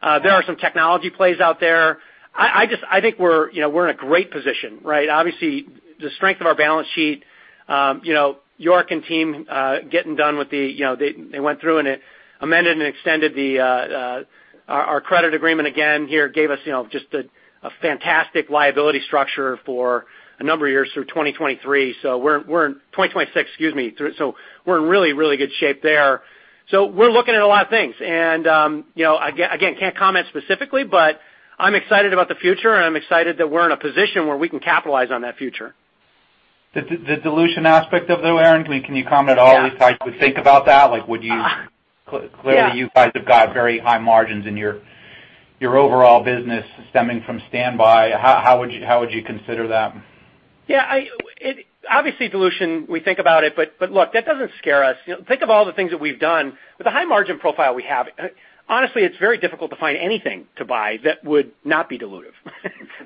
are some technology plays out there. I think we're in a great position, right? Obviously, the strength of our balance sheet, York and team getting done with the they went through and amended and extended our credit agreement again here, gave us just a fantastic liability structure for a number of years through 2023. 2026, excuse me. We're in really good shape there. We're looking at a lot of things, again, can't comment specifically, I'm excited about the future, I'm excited that we're in a position where we can capitalize on that future. The dilution aspect of it though, Aaron, can you comment at all the way you guys would think about that? Clearly, you guys have got very high margins in your overall business stemming from standby. How would you consider that? Yeah. Obviously, dilution, we think about it, look, that doesn't scare us. Think of all the things that we've done. With the high margin profile we have, honestly, it's very difficult to find anything to buy that would not be dilutive.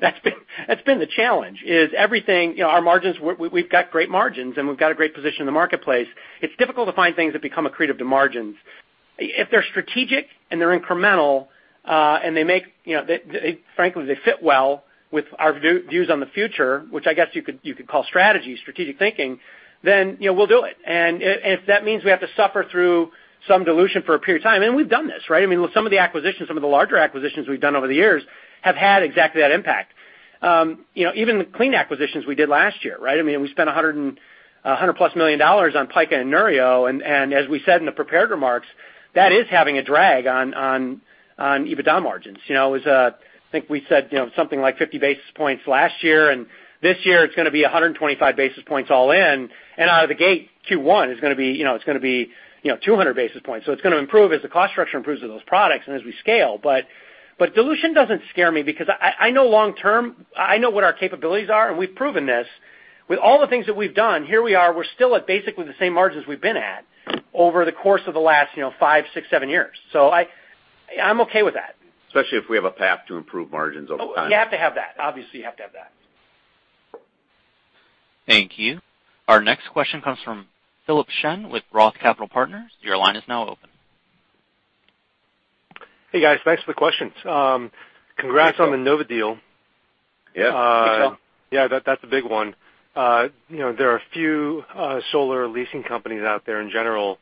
That's been the challenge is our margins, we've got great margins, we've got a great position in the marketplace. It's difficult to find things that become accretive to margins. If they're strategic and they're incremental, frankly, if they fit well with our views on the future, which I guess you could call strategic thinking, then we'll do it. If that means we have to suffer through some dilution for a period of time, and we've done this, right? Some of the larger acquisitions we've done over the years have had exactly that impact. Even the clean acquisitions we did last year, right? We spent $100+ million on Pika and Neurio. As we said in the prepared remarks, that is having a drag on EBITDA margins. I think we said something like 50 basis points last year, this year it's going to be 125 basis points all in. Out of the gate, Q1, it's going to be 200 basis points. It's going to improve as the cost structure improves with those products and as we scale. Dilution doesn't scare me because I know long-term, I know what our capabilities are, and we've proven this. With all the things that we've done, here we are, we're still at basically the same margins we've been at over the course of the last five, six, seven years. I'm okay with that. Especially if we have a path to improve margins over time. You have to have that. Obviously, you have to have that. Thank you. Our next question comes from Philip Shen with Roth Capital Partners. Your line is now open. Hey, guys. Thanks for the questions. Congrats on the Sunnova deal. Yeah. Thank you, Phil. Yeah, that's a big one. There are a few solar leasing companies out there in general.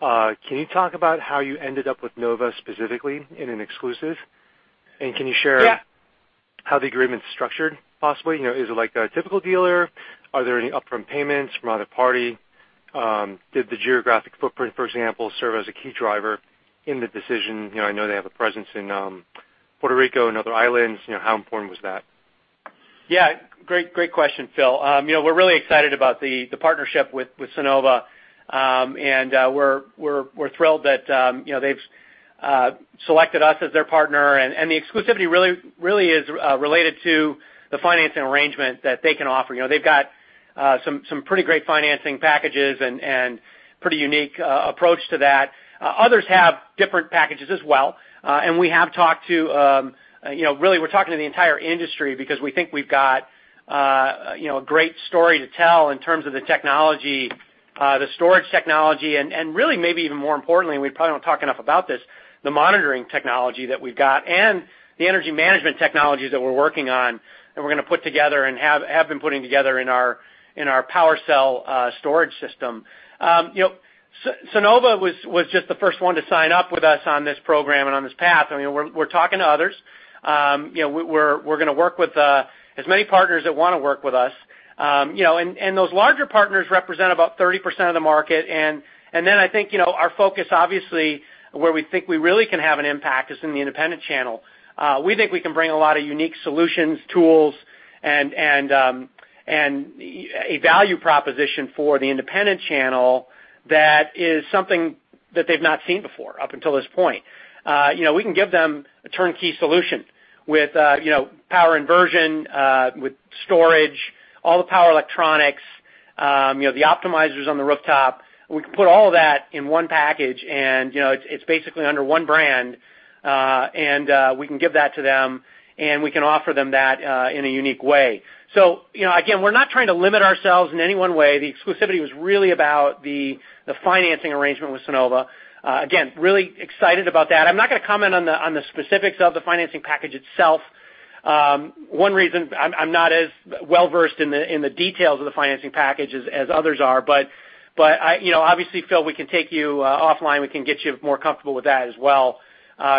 Can you talk about how you ended up with Sunnova specifically in an exclusive? Can you share- Yeah how the agreement's structured, possibly? Is it like the typical dealer? Are there any upfront payments from either party? Did the geographic footprint, for example, serve as a key driver in the decision? I know they have a presence in Puerto Rico and other islands. How important was that? Yeah. Great question, Phil. We're really excited about the partnership with Sunnova. We're thrilled that they've selected us as their partner. The exclusivity really is related to the financing arrangement that they can offer. They've got some pretty great financing packages and pretty unique approach to that. Others have different packages as well. We have talked to the entire industry because we think we've got a great story to tell in terms of the technology, the storage technology, and really maybe even more importantly, and we probably don't talk enough about this, the monitoring technology that we've got and the energy management technologies that we're working on and we're going to put together and have been putting together in our PWRcell storage system. Sunnova was just the first one to sign up with us on this program and on this path. We're talking to others. We're going to work with as many partners that want to work with us. Those larger partners represent about 30% of the market. I think our focus, obviously, where we think we really can have an impact is in the independent channel. We think we can bring a lot of unique solutions, tools, and a value proposition for the independent channel that is something that they've not seen before up until this point. We can give them a turnkey solution with power inversion, with storage, all the power electronics, the optimizers on the rooftop. We can put all of that in one package, and it's basically under one brand. We can give that to them, and we can offer them that in a unique way. Again, we're not trying to limit ourselves in any one way. The exclusivity was really about the financing arrangement with Sunnova. Really excited about that. I'm not going to comment on the specifics of the financing package itself. One reason, I'm not as well-versed in the details of the financing package as others are, but obviously, Phil, we can take you offline. We can get you more comfortable with that as well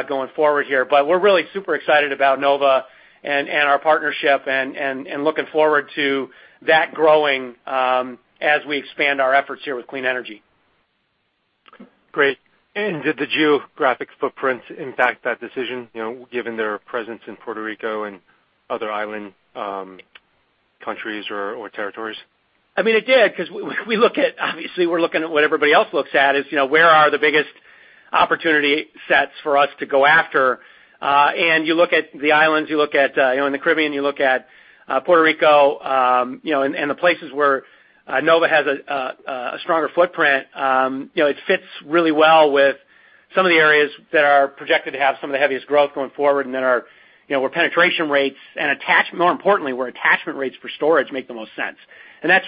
going forward here. We're really super excited about Nova and our partnership and looking forward to that growing as we expand our efforts here with clean energy. Great. Did the geographic footprint impact that decision, given their presence in Puerto Rico and other island countries or territories? It did because obviously we're looking at what everybody else looks at is, where are the biggest opportunity sets for us to go after? You look at the islands, you look at in the Caribbean, you look at Puerto Rico, and the places where Nova has a stronger footprint. It fits really well with some of the areas that are projected to have some of the heaviest growth going forward and where penetration rates and more importantly, where attachment rates for storage make the most sense. That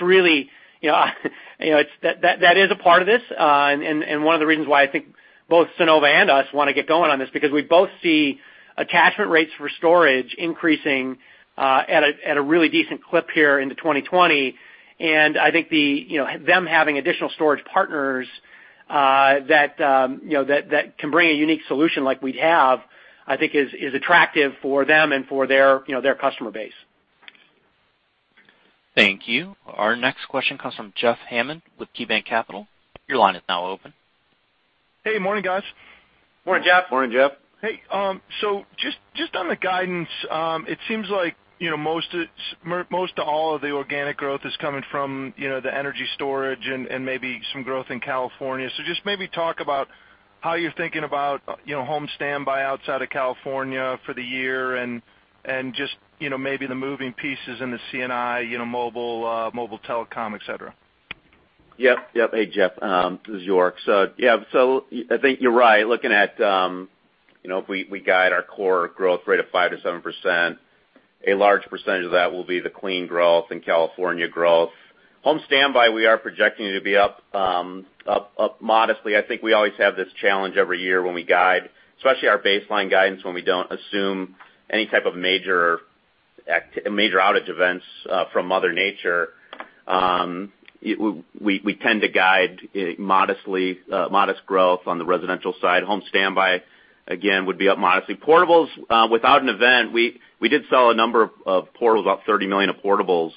is a part of this, and one of the reasons why I think both Sunnova and us want to get going on this, because we both see attachment rates for storage increasing at a really decent clip here into 2020. I think them having additional storage partners that can bring a unique solution like we have, I think is attractive for them and for their customer base. Thank you. Our next question comes from Jeff Hammond with KeyBanc Capital. Your line is now open. Hey, morning, guys. Morning, Jeff. Morning, Jeff. Hey, just on the guidance, it seems like most to all of the organic growth is coming from the energy storage and maybe some growth in California. Just maybe talk about how you're thinking about home standby outside of California for the year and just maybe the moving pieces in the C&I mobile telecom, et cetera. Yep. Hey, Jeff. This is York. Yeah, I think you're right, looking at if we guide our core growth rate of 5%-7%, a large percentage of that will be the clean growth and California growth. Home standby, we are projecting to be up modestly. I think we always have this challenge every year when we guide, especially our baseline guidance, when we don't assume any type of major outage events from mother nature. We tend to guide modest growth on the residential side. Home standby, again, would be up modestly. Portables, without an event, we did sell a number of portables, about $30 million of portables,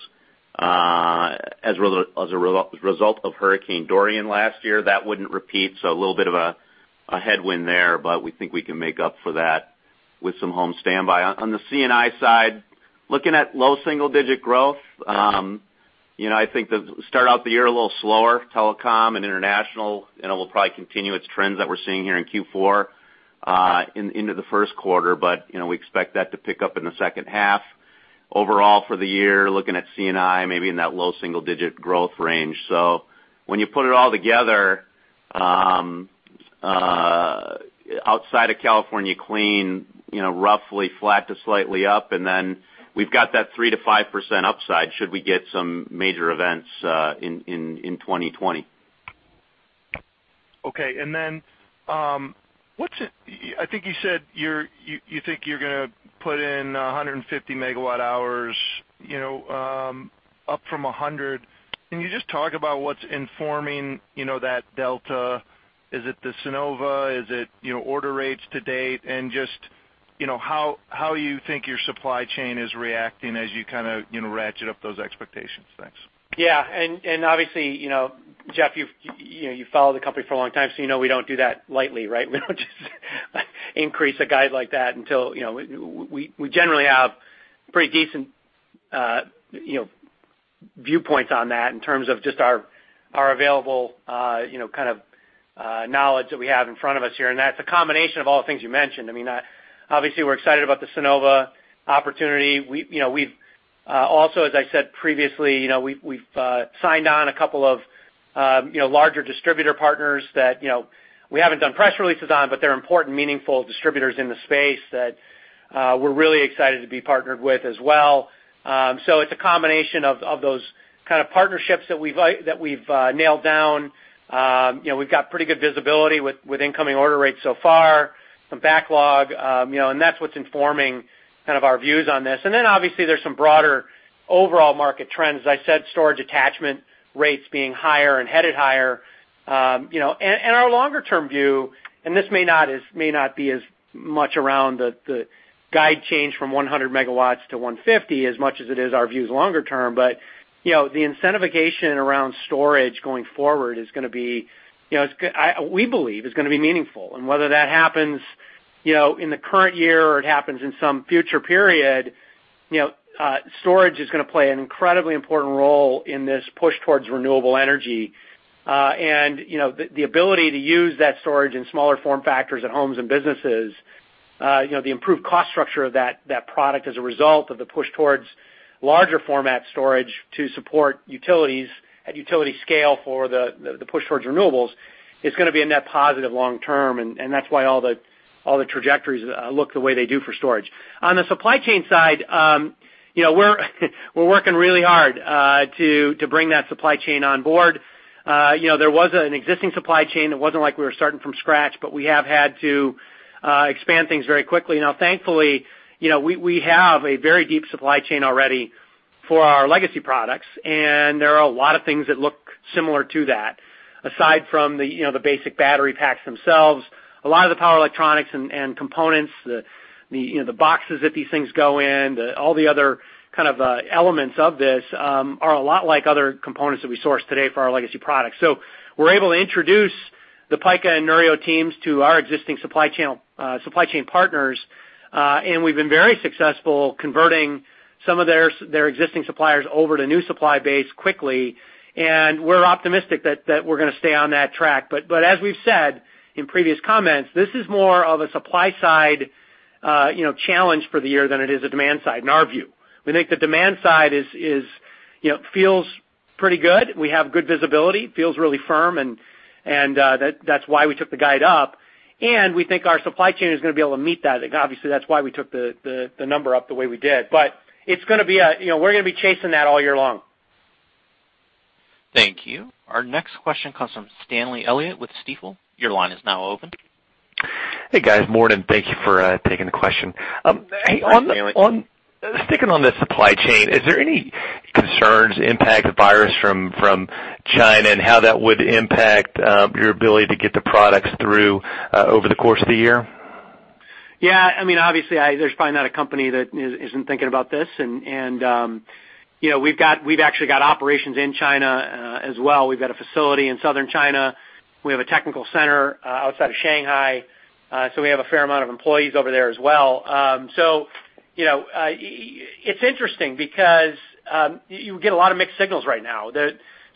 as a result of Hurricane Dorian last year. That wouldn't repeat, so a little bit of a headwind there, but we think we can make up for that with some home standby. On the C&I side, looking at low single-digit growth. I think they start out the year a little slower, telecom and international, and it will probably continue its trends that we're seeing here in Q4 into the first quarter, but we expect that to pick up in the second half. Overall for the year, looking at C&I, maybe in that low single-digit growth range. When you put it all together, outside of California clean, roughly flat to slightly up, and then we've got that 3%-5% upside should we get some major events in 2020. Okay, I think you said you think you're going to put in 150 MWh, up from 100. Can you just talk about what's informing that delta? Is it the Sunnova? Is it order rates to date? Just how you think your supply chain is reacting as you kind of ratchet up those expectations. Thanks. Yeah. Jeff, you've followed the company for a long time, so you know we don't do that lightly, right? We don't just increase a guide like that until we generally have pretty decent viewpoints on that in terms of just our available kind of knowledge that we have in front of us here. That's a combination of all the things you mentioned. I mean, obviously we're excited about the Sunnova opportunity. We've also, as I said previously, we've signed on a couple of larger distributor partners that we haven't done press releases on, but they're important, meaningful distributors in the space that we're really excited to be partnered with as well. It's a combination of those kind of partnerships that we've nailed down. We've got pretty good visibility with incoming order rates so far, some backlog. That's what's informing kind of our views on this. Then obviously there's some broader overall market trends. As I said, storage attachment rates being higher and headed higher. Our longer-term view, and this may not be as much around the guide change from 100 MW-150 MW as much as it is our views longer term, but the incentivization around storage going forward we believe is going to be meaningful. Whether that happens in the current year or it happens in some future period, storage is going to play an incredibly important role in this push towards renewable energy. The ability to use that storage in smaller form factors at homes and businesses, the improved cost structure of that product as a result of the push towards larger format storage to support utilities at utility scale for the push towards renewables is going to be a net positive long term. That's why all the trajectories look the way they do for storage. On the supply chain side, we're working really hard to bring that supply chain on board. There was an existing supply chain. It wasn't like we were starting from scratch, but we have had to expand things very quickly. Now, thankfully, we have a very deep supply chain already for our legacy products, and there are a lot of things that look similar to that. Aside from the basic battery packs themselves, a lot of the power electronics and components, the boxes that these things go in, all the other kind of elements of this are a lot like other components that we source today for our legacy products. We're able to introduce the Pika and Neurio teams to our existing supply chain partners. We've been very successful converting some of their existing suppliers over to new supply base quickly. We're optimistic that we're going to stay on that track. As we've said in previous comments, this is more of a supply side challenge for the year than it is a demand side, in our view. We think the demand side feels pretty good. We have good visibility. Feels really firm. That's why we took the guide up. We think our supply chain is going to be able to meet that. Obviously, that's why we took the number up the way we did. We're going to be chasing that all year long. Thank you. Our next question comes from Stanley Elliott with Stifel. Your line is now open. Hey, guys. Morning. Thank you for taking the question. Thanks, Stanley. Sticking on the supply chain, is there any concerns impact the virus from China and how that would impact your ability to get the products through over the course of the year? Yeah. Obviously, there's probably not a company that isn't thinking about this. We've actually got operations in China as well. We've got a facility in southern China. We have a technical center outside of Shanghai. We have a fair amount of employees over there as well. It's interesting because you get a lot of mixed signals right now.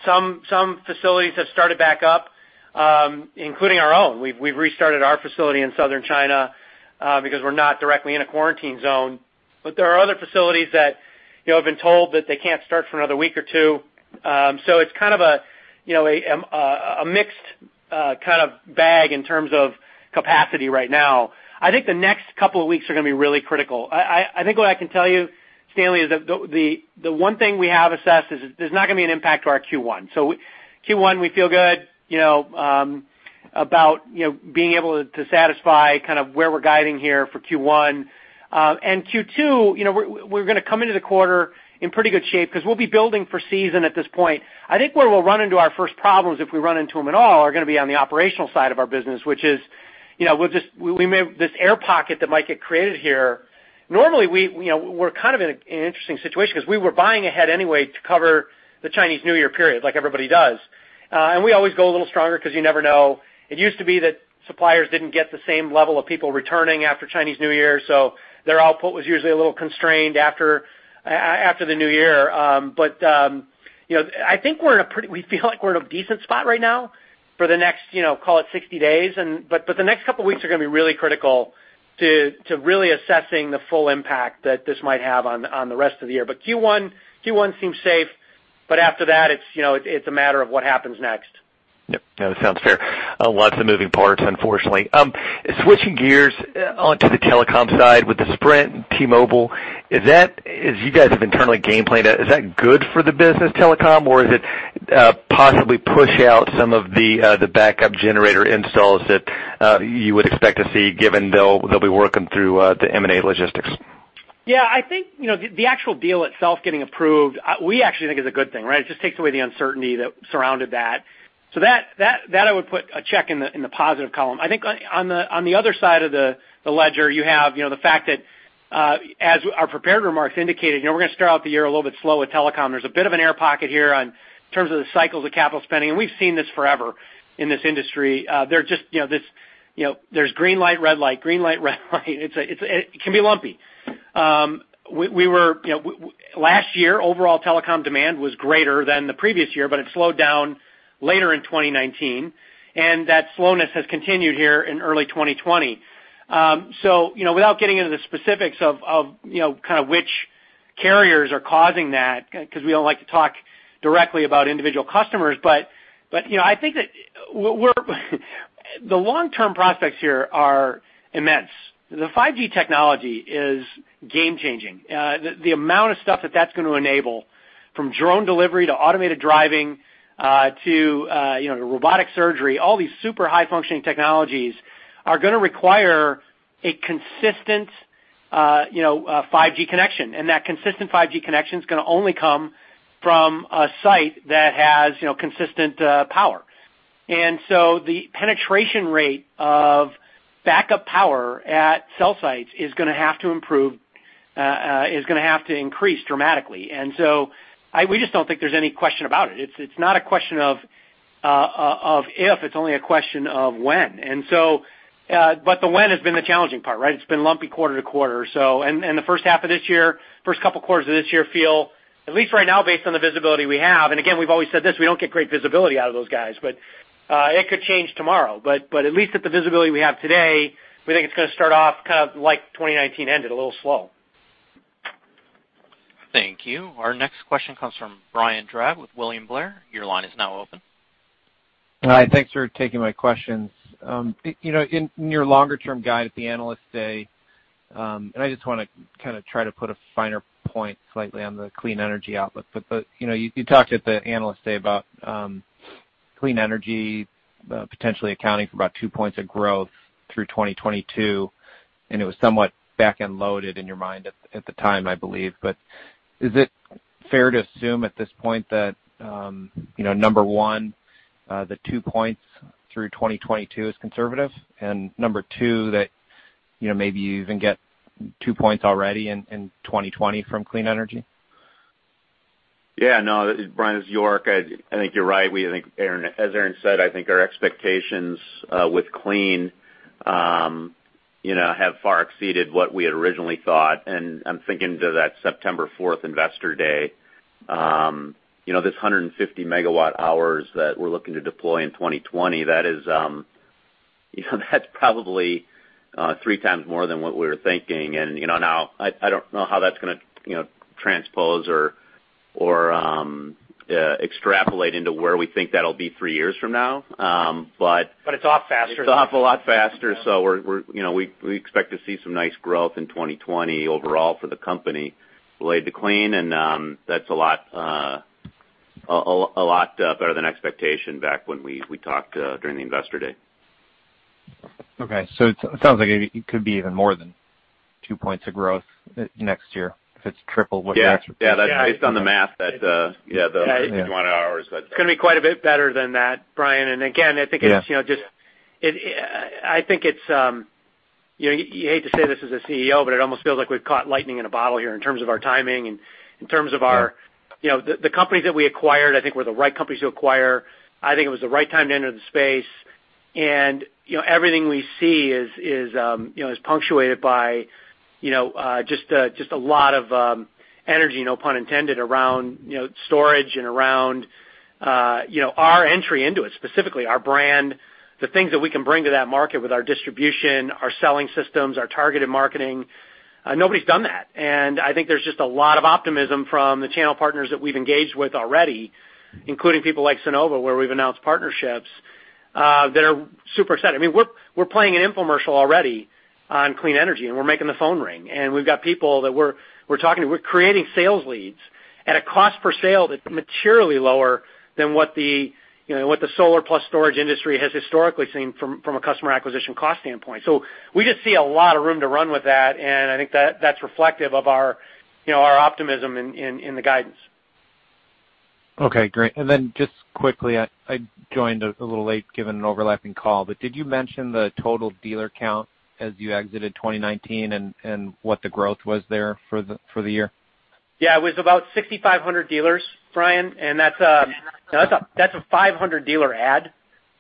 Some facilities have started back up, including our own. We've restarted our facility in southern China, because we're not directly in a quarantine zone. There are other facilities that have been told that they can't start for another week or two. It's kind of a mixed bag in terms of capacity right now. I think the next couple of weeks are going to be really critical. I think what I can tell you, Stanley, is that the one thing we have assessed is there's not going to be an impact to our Q1. Q1, we feel good about being able to satisfy where we're guiding here for Q1. Q2, we're going to come into the quarter in pretty good shape because we'll be building for season at this point. I think where we'll run into our first problems, if we run into them at all, are going to be on the operational side of our business, which is this air pocket that might get created here. Normally, we're kind of in an interesting situation, because we were buying ahead anyway to cover the Chinese New Year period, like everybody does. We always go a little stronger because you never know. It used to be that suppliers didn't get the same level of people returning after Chinese New Year, their output was usually a little constrained after the new year. I think we feel like we're in a decent spot right now for the next call it 60 days. The next couple of weeks are going to be really critical to really assessing the full impact that this might have on the rest of the year. Q1 seems safe, but after that, it's a matter of what happens next. Yep. No, that sounds fair. Lots of moving parts, unfortunately. Switching gears onto the telecom side with the Sprint, T-Mobile. As you guys have internally game planned it, is that good for the business telecom, or does it possibly push out some of the backup generator installs that you would expect to see given they'll be working through the M&A logistics? Yeah. I think the actual deal itself getting approved, we actually think is a good thing. It just takes away the uncertainty that surrounded that. That I would put a check in the positive column. I think on the other side of the ledger, you have the fact that as our prepared remarks indicated, we're going to start out the year a little bit slow with telecom. There's a bit of an air pocket here in terms of the cycles of capital spending. We've seen this forever in this industry. There's green light, red light, green light, red light. It can be lumpy. Last year, overall telecom demand was greater than the previous year. It slowed down later in 2019, and that slowness has continued here in early 2020. Without getting into the specifics of which carriers are causing that, because we don't like to talk directly about individual customers, I think that the long-term prospects here are immense. The 5G technology is game-changing. The amount of stuff that that's going to enable, from drone delivery to automated driving to robotic surgery. All these super high-functioning technologies are going to require a consistent 5G connection. That consistent 5G connection is going to only come from a site that has consistent power. The penetration rate of backup power at cell sites is going to have to increase dramatically. We just don't think there's any question about it. It's not a question of if, it's only a question of when. The when has been the challenging part. It's been lumpy quarter to quarter. The first half of this year, first couple quarters of this year feel, at least right now based on the visibility we have. Again, we've always said this, we don't get great visibility out of those guys, it could change tomorrow. At least at the visibility we have today, we think it's going to start off kind of like 2019 ended, a little slow. Thank you. Our next question comes from Brian Drab with William Blair. Your line is now open. Hi. Thanks for taking my questions. In your longer term guide at the Analyst Day, I just want to kind of try to put a finer point slightly on the clean energy outlook. You talked at the Analyst Day about clean energy potentially accounting for about two points of growth through 2022, and it was somewhat back-end loaded in your mind at the time, I believe. Is it fair to assume at this point that number one, the two points through 2022 is conservative? And number two, that maybe you even get two points already in 2020 from clean energy? Yeah. No, Brian, this is York. I think you're right. As Aaron said, I think our expectations with clean have far exceeded what we had originally thought. I'm thinking to that September 4th Investor Day. This 150 MWh that we're looking to deploy in 2020, that's probably three times more than what we were thinking. Now I don't know how that's going to transpose or extrapolate into where we think that'll be three years from now. It's off faster it's off a lot faster. We expect to see some nice growth in 2020 overall for the company related to clean, and that's a lot better than expectation back when we talked during the Investor Day. Okay, it sounds like it could be even more than two points of growth next year, if it's triple what you anticipate. Yeah. That's based on the math that, yeah, the 51 hours. It's going to be quite a bit better than that, Brian. Again, I think it's. Yeah you hate to say this as a CEO, but it almost feels like we've caught lightning in a bottle here in terms of our timing and in terms of the companies that we acquired. I think were the right companies to acquire. I think it was the right time to enter the space. Everything we see is punctuated by just a lot of energy, no pun intended, around storage and around our entry into it, specifically our brand, the things that we can bring to that market with our distribution, our selling systems, our targeted marketing. Nobody's done that, and I think there's just a lot of optimism from the channel partners that we've engaged with already, including people like Sunnova, where we've announced partnerships, that are super excited. We're playing an infomercial already on clean energy, and we're making the phone ring. We've got people that we're talking to. We're creating sales leads at a cost per sale that's materially lower than what the solar plus storage industry has historically seen from a customer acquisition cost standpoint. We just see a lot of room to run with that, and I think that's reflective of our optimism in the guidance. Okay, great. Just quickly, I joined a little late given an overlapping call, but did you mention the total dealer count as you exited 2019 and what the growth was there for the year? Yeah. It was about 6,500 dealers, Brian, and that's a 500-dealer add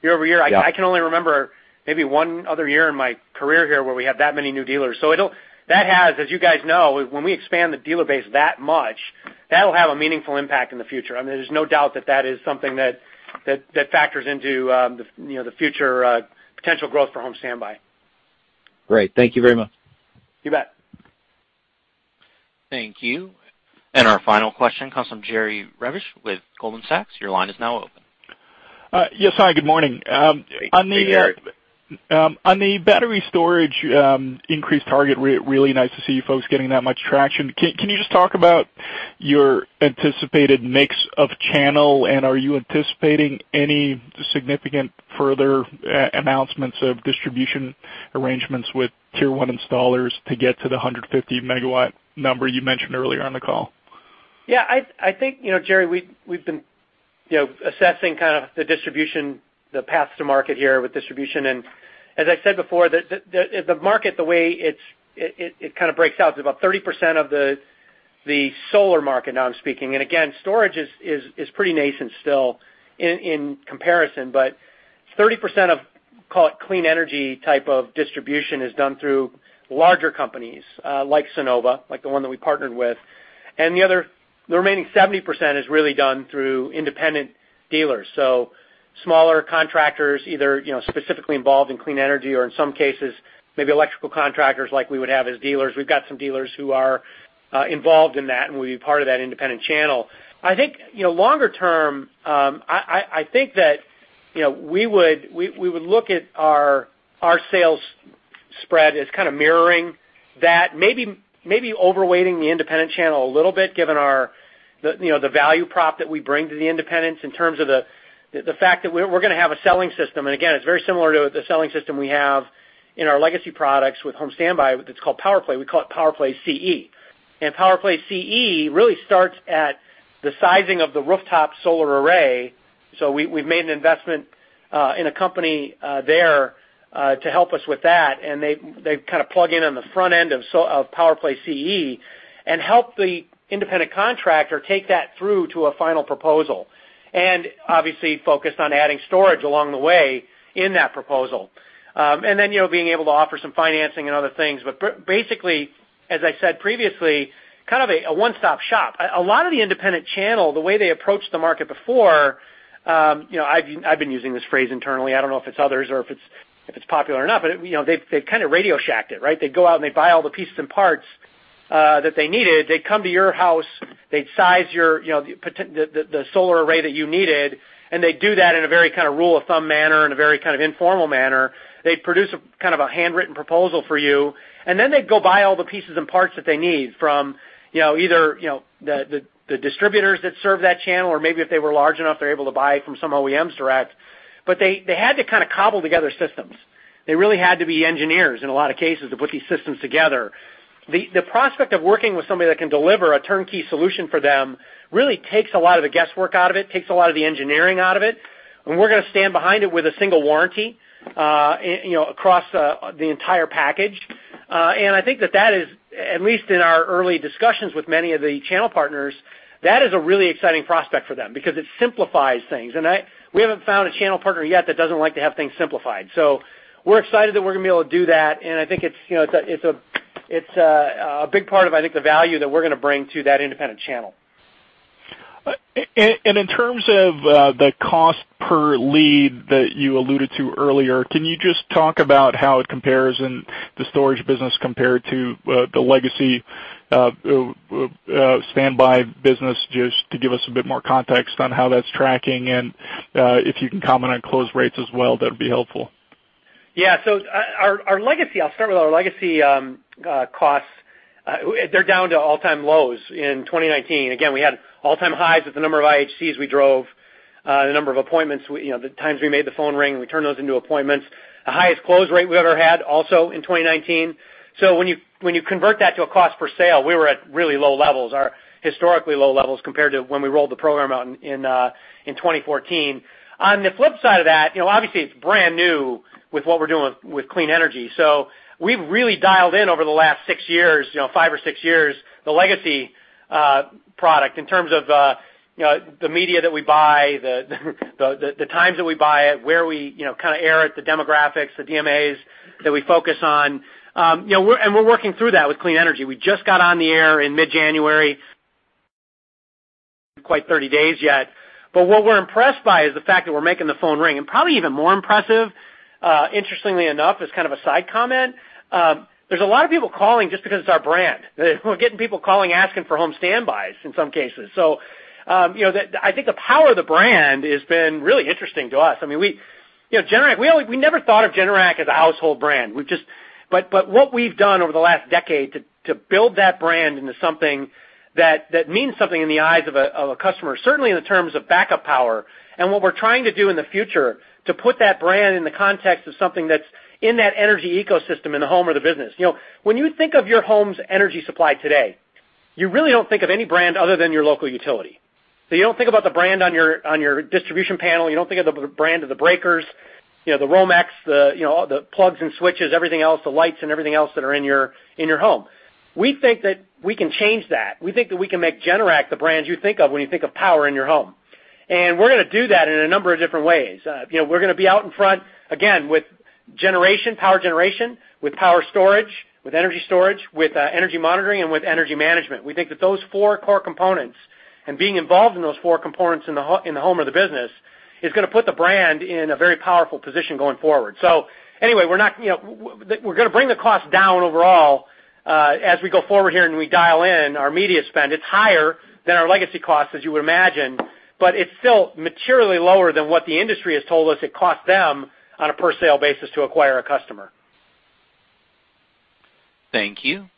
year-over-year. Yeah. I can only remember maybe one other year in my career here where we had that many new dealers. That has, as you guys know, when we expand the dealer base that much, that'll have a meaningful impact in the future. There's no doubt that that is something that factors into the future potential growth for home standby. Great. Thank you very much. You bet. Thank you. Our final question comes from Jerry Revich with Goldman Sachs. Your line is now open. Yes, hi, good morning. Hey, Jerry. On the battery storage increased target, really nice to see you folks getting that much traction. Can you just talk about your anticipated mix of channel? Are you anticipating any significant further announcements of distribution arrangements with tier 1 installers to get to the 150-MW number you mentioned earlier on the call? I think, Jerry, we've been assessing kind of the distribution, the paths to market here with distribution. As I said before, the market, the way it kind of breaks out, is about 30% of the solar market, now I'm speaking. Again, storage is pretty nascent still in comparison. 30% of, call it clean energy type of distribution, is done through larger companies like Sunnova, like the one that we partnered with. The remaining 70% is really done through independent dealers. So smaller contractors, either specifically involved in clean energy or in some cases, maybe electrical contractors like we would have as dealers. We've got some dealers who are involved in that and will be part of that independent channel. I think longer term, I think that we would look at our sales spread as kind of mirroring that, maybe over-weighting the independent channel a little bit, given the value prop that we bring to the independents in terms of the fact that we're going to have a selling system. Again, it's very similar to the selling system we have in our legacy products with home standby that's called PowerPlay. We call it PowerPlay CE. PowerPlay CE really starts at the sizing of the rooftop solar array. We've made an investment in a company there to help us with that, and they kind of plug in on the front end of PowerPlay CE and help the independent contractor take that through to a final proposal. Obviously, focused on adding storage along the way in that proposal. Being able to offer some financing and other things. Basically, as I said previously, kind of a one-stop shop. A lot of the independent channel, the way they approached the market before, I've been using this phrase internally, I don't know if it's others or if it's popular or not, but they've kind of RadioShacked it, right? They'd go out, and they'd buy all the pieces and parts that they needed. They'd come to your house, they'd size the solar array that you needed, and they'd do that in a very kind of rule-of-thumb manner and a very kind of informal manner. They'd produce kind of a handwritten proposal for you, and then they'd go buy all the pieces and parts that they need from either the distributors that serve that channel, or maybe if they were large enough, they're able to buy from some OEMs direct. They had to kind of cobble together systems. They really had to be engineers in a lot of cases to put these systems together. The prospect of working with somebody that can deliver a turnkey solution for them really takes a lot of the guesswork out of it, takes a lot of the engineering out of it, and we're going to stand behind it with a single warranty across the entire package. I think that that is, at least in our early discussions with many of the channel partners, that is a really exciting prospect for them because it simplifies things. We haven't found a channel partner yet that doesn't like to have things simplified. We're excited that we're going to be able to do that, and I think it's a big part of, I think, the value that we're going to bring to that independent channel. In terms of the cost per lead that you alluded to earlier, can you just talk about how it compares in the storage business compared to the legacy home standby business, just to give us a bit more context on how that's tracking and if you can comment on close rates as well, that'd be helpful. Yeah. I'll start with our legacy costs. They're down to all-time lows in 2019. Again, we had all-time highs with the number of IHCs we drove, the number of appointments, the times we made the phone ring, and we turned those into appointments. The highest close rate we've ever had also in 2019. When you convert that to a cost per sale, we were at really low levels, or historically low levels compared to when we rolled the program out in 2014. On the flip side of that, obviously it's brand new with what we're doing with clean energy. We've really dialed in over the last six years, five or six years, the legacy product in terms of the media that we buy, the times that we buy it, where we air it, the demographics, the DMAs that we focus on. We're working through that with clean energy. We just got on the air in mid-January, quite 30 days yet. What we're impressed by is the fact that we're making the phone ring. Probably even more impressive, interestingly enough, as kind of a side comment, there's a lot of people calling just because it's our brand. We're getting people calling, asking for home standbys in some cases. I think the power of the brand has been really interesting to us. We never thought of Generac as a household brand. What we've done over the last decade to build that brand into something that means something in the eyes of a customer, certainly in the terms of backup power, and what we're trying to do in the future to put that brand in the context of something that's in that energy ecosystem in the home or the business. When you think of your home's energy supply today, you really don't think of any brand other than your local utility. You don't think about the brand on your distribution panel. You don't think of the brand of the breakers, the Romex, the plugs and switches, everything else, the lights and everything else that are in your home. We think that we can change that. We think that we can make Generac the brand you think of when you think of power in your home. We're going to do that in a number of different ways. We're going to be out in front, again, with power generation, with power storage, with energy storage, with energy monitoring, and with energy management. We think that those four core components, and being involved in those four components in the home or the business, is going to put the brand in a very powerful position going forward. Anyway, we're going to bring the cost down overall as we go forward here and we dial in our media spend. It's higher than our legacy cost, as you would imagine, but it's still materially lower than what the industry has told us it costs them on a per sale basis to acquire a customer. Thank you.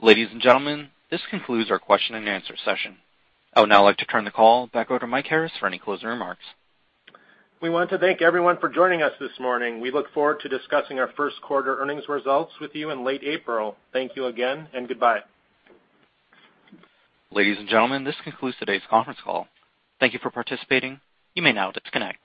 Ladies and gentlemen, this concludes our question and answer session. I would now like to turn the call back over to Mike Harris for any closing remarks. We want to thank everyone for joining us this morning. We look forward to discussing our first quarter earnings results with you in late April. Thank you again, and goodbye. Ladies and gentlemen, this concludes today's conference call. Thank you for participating. You may now disconnect.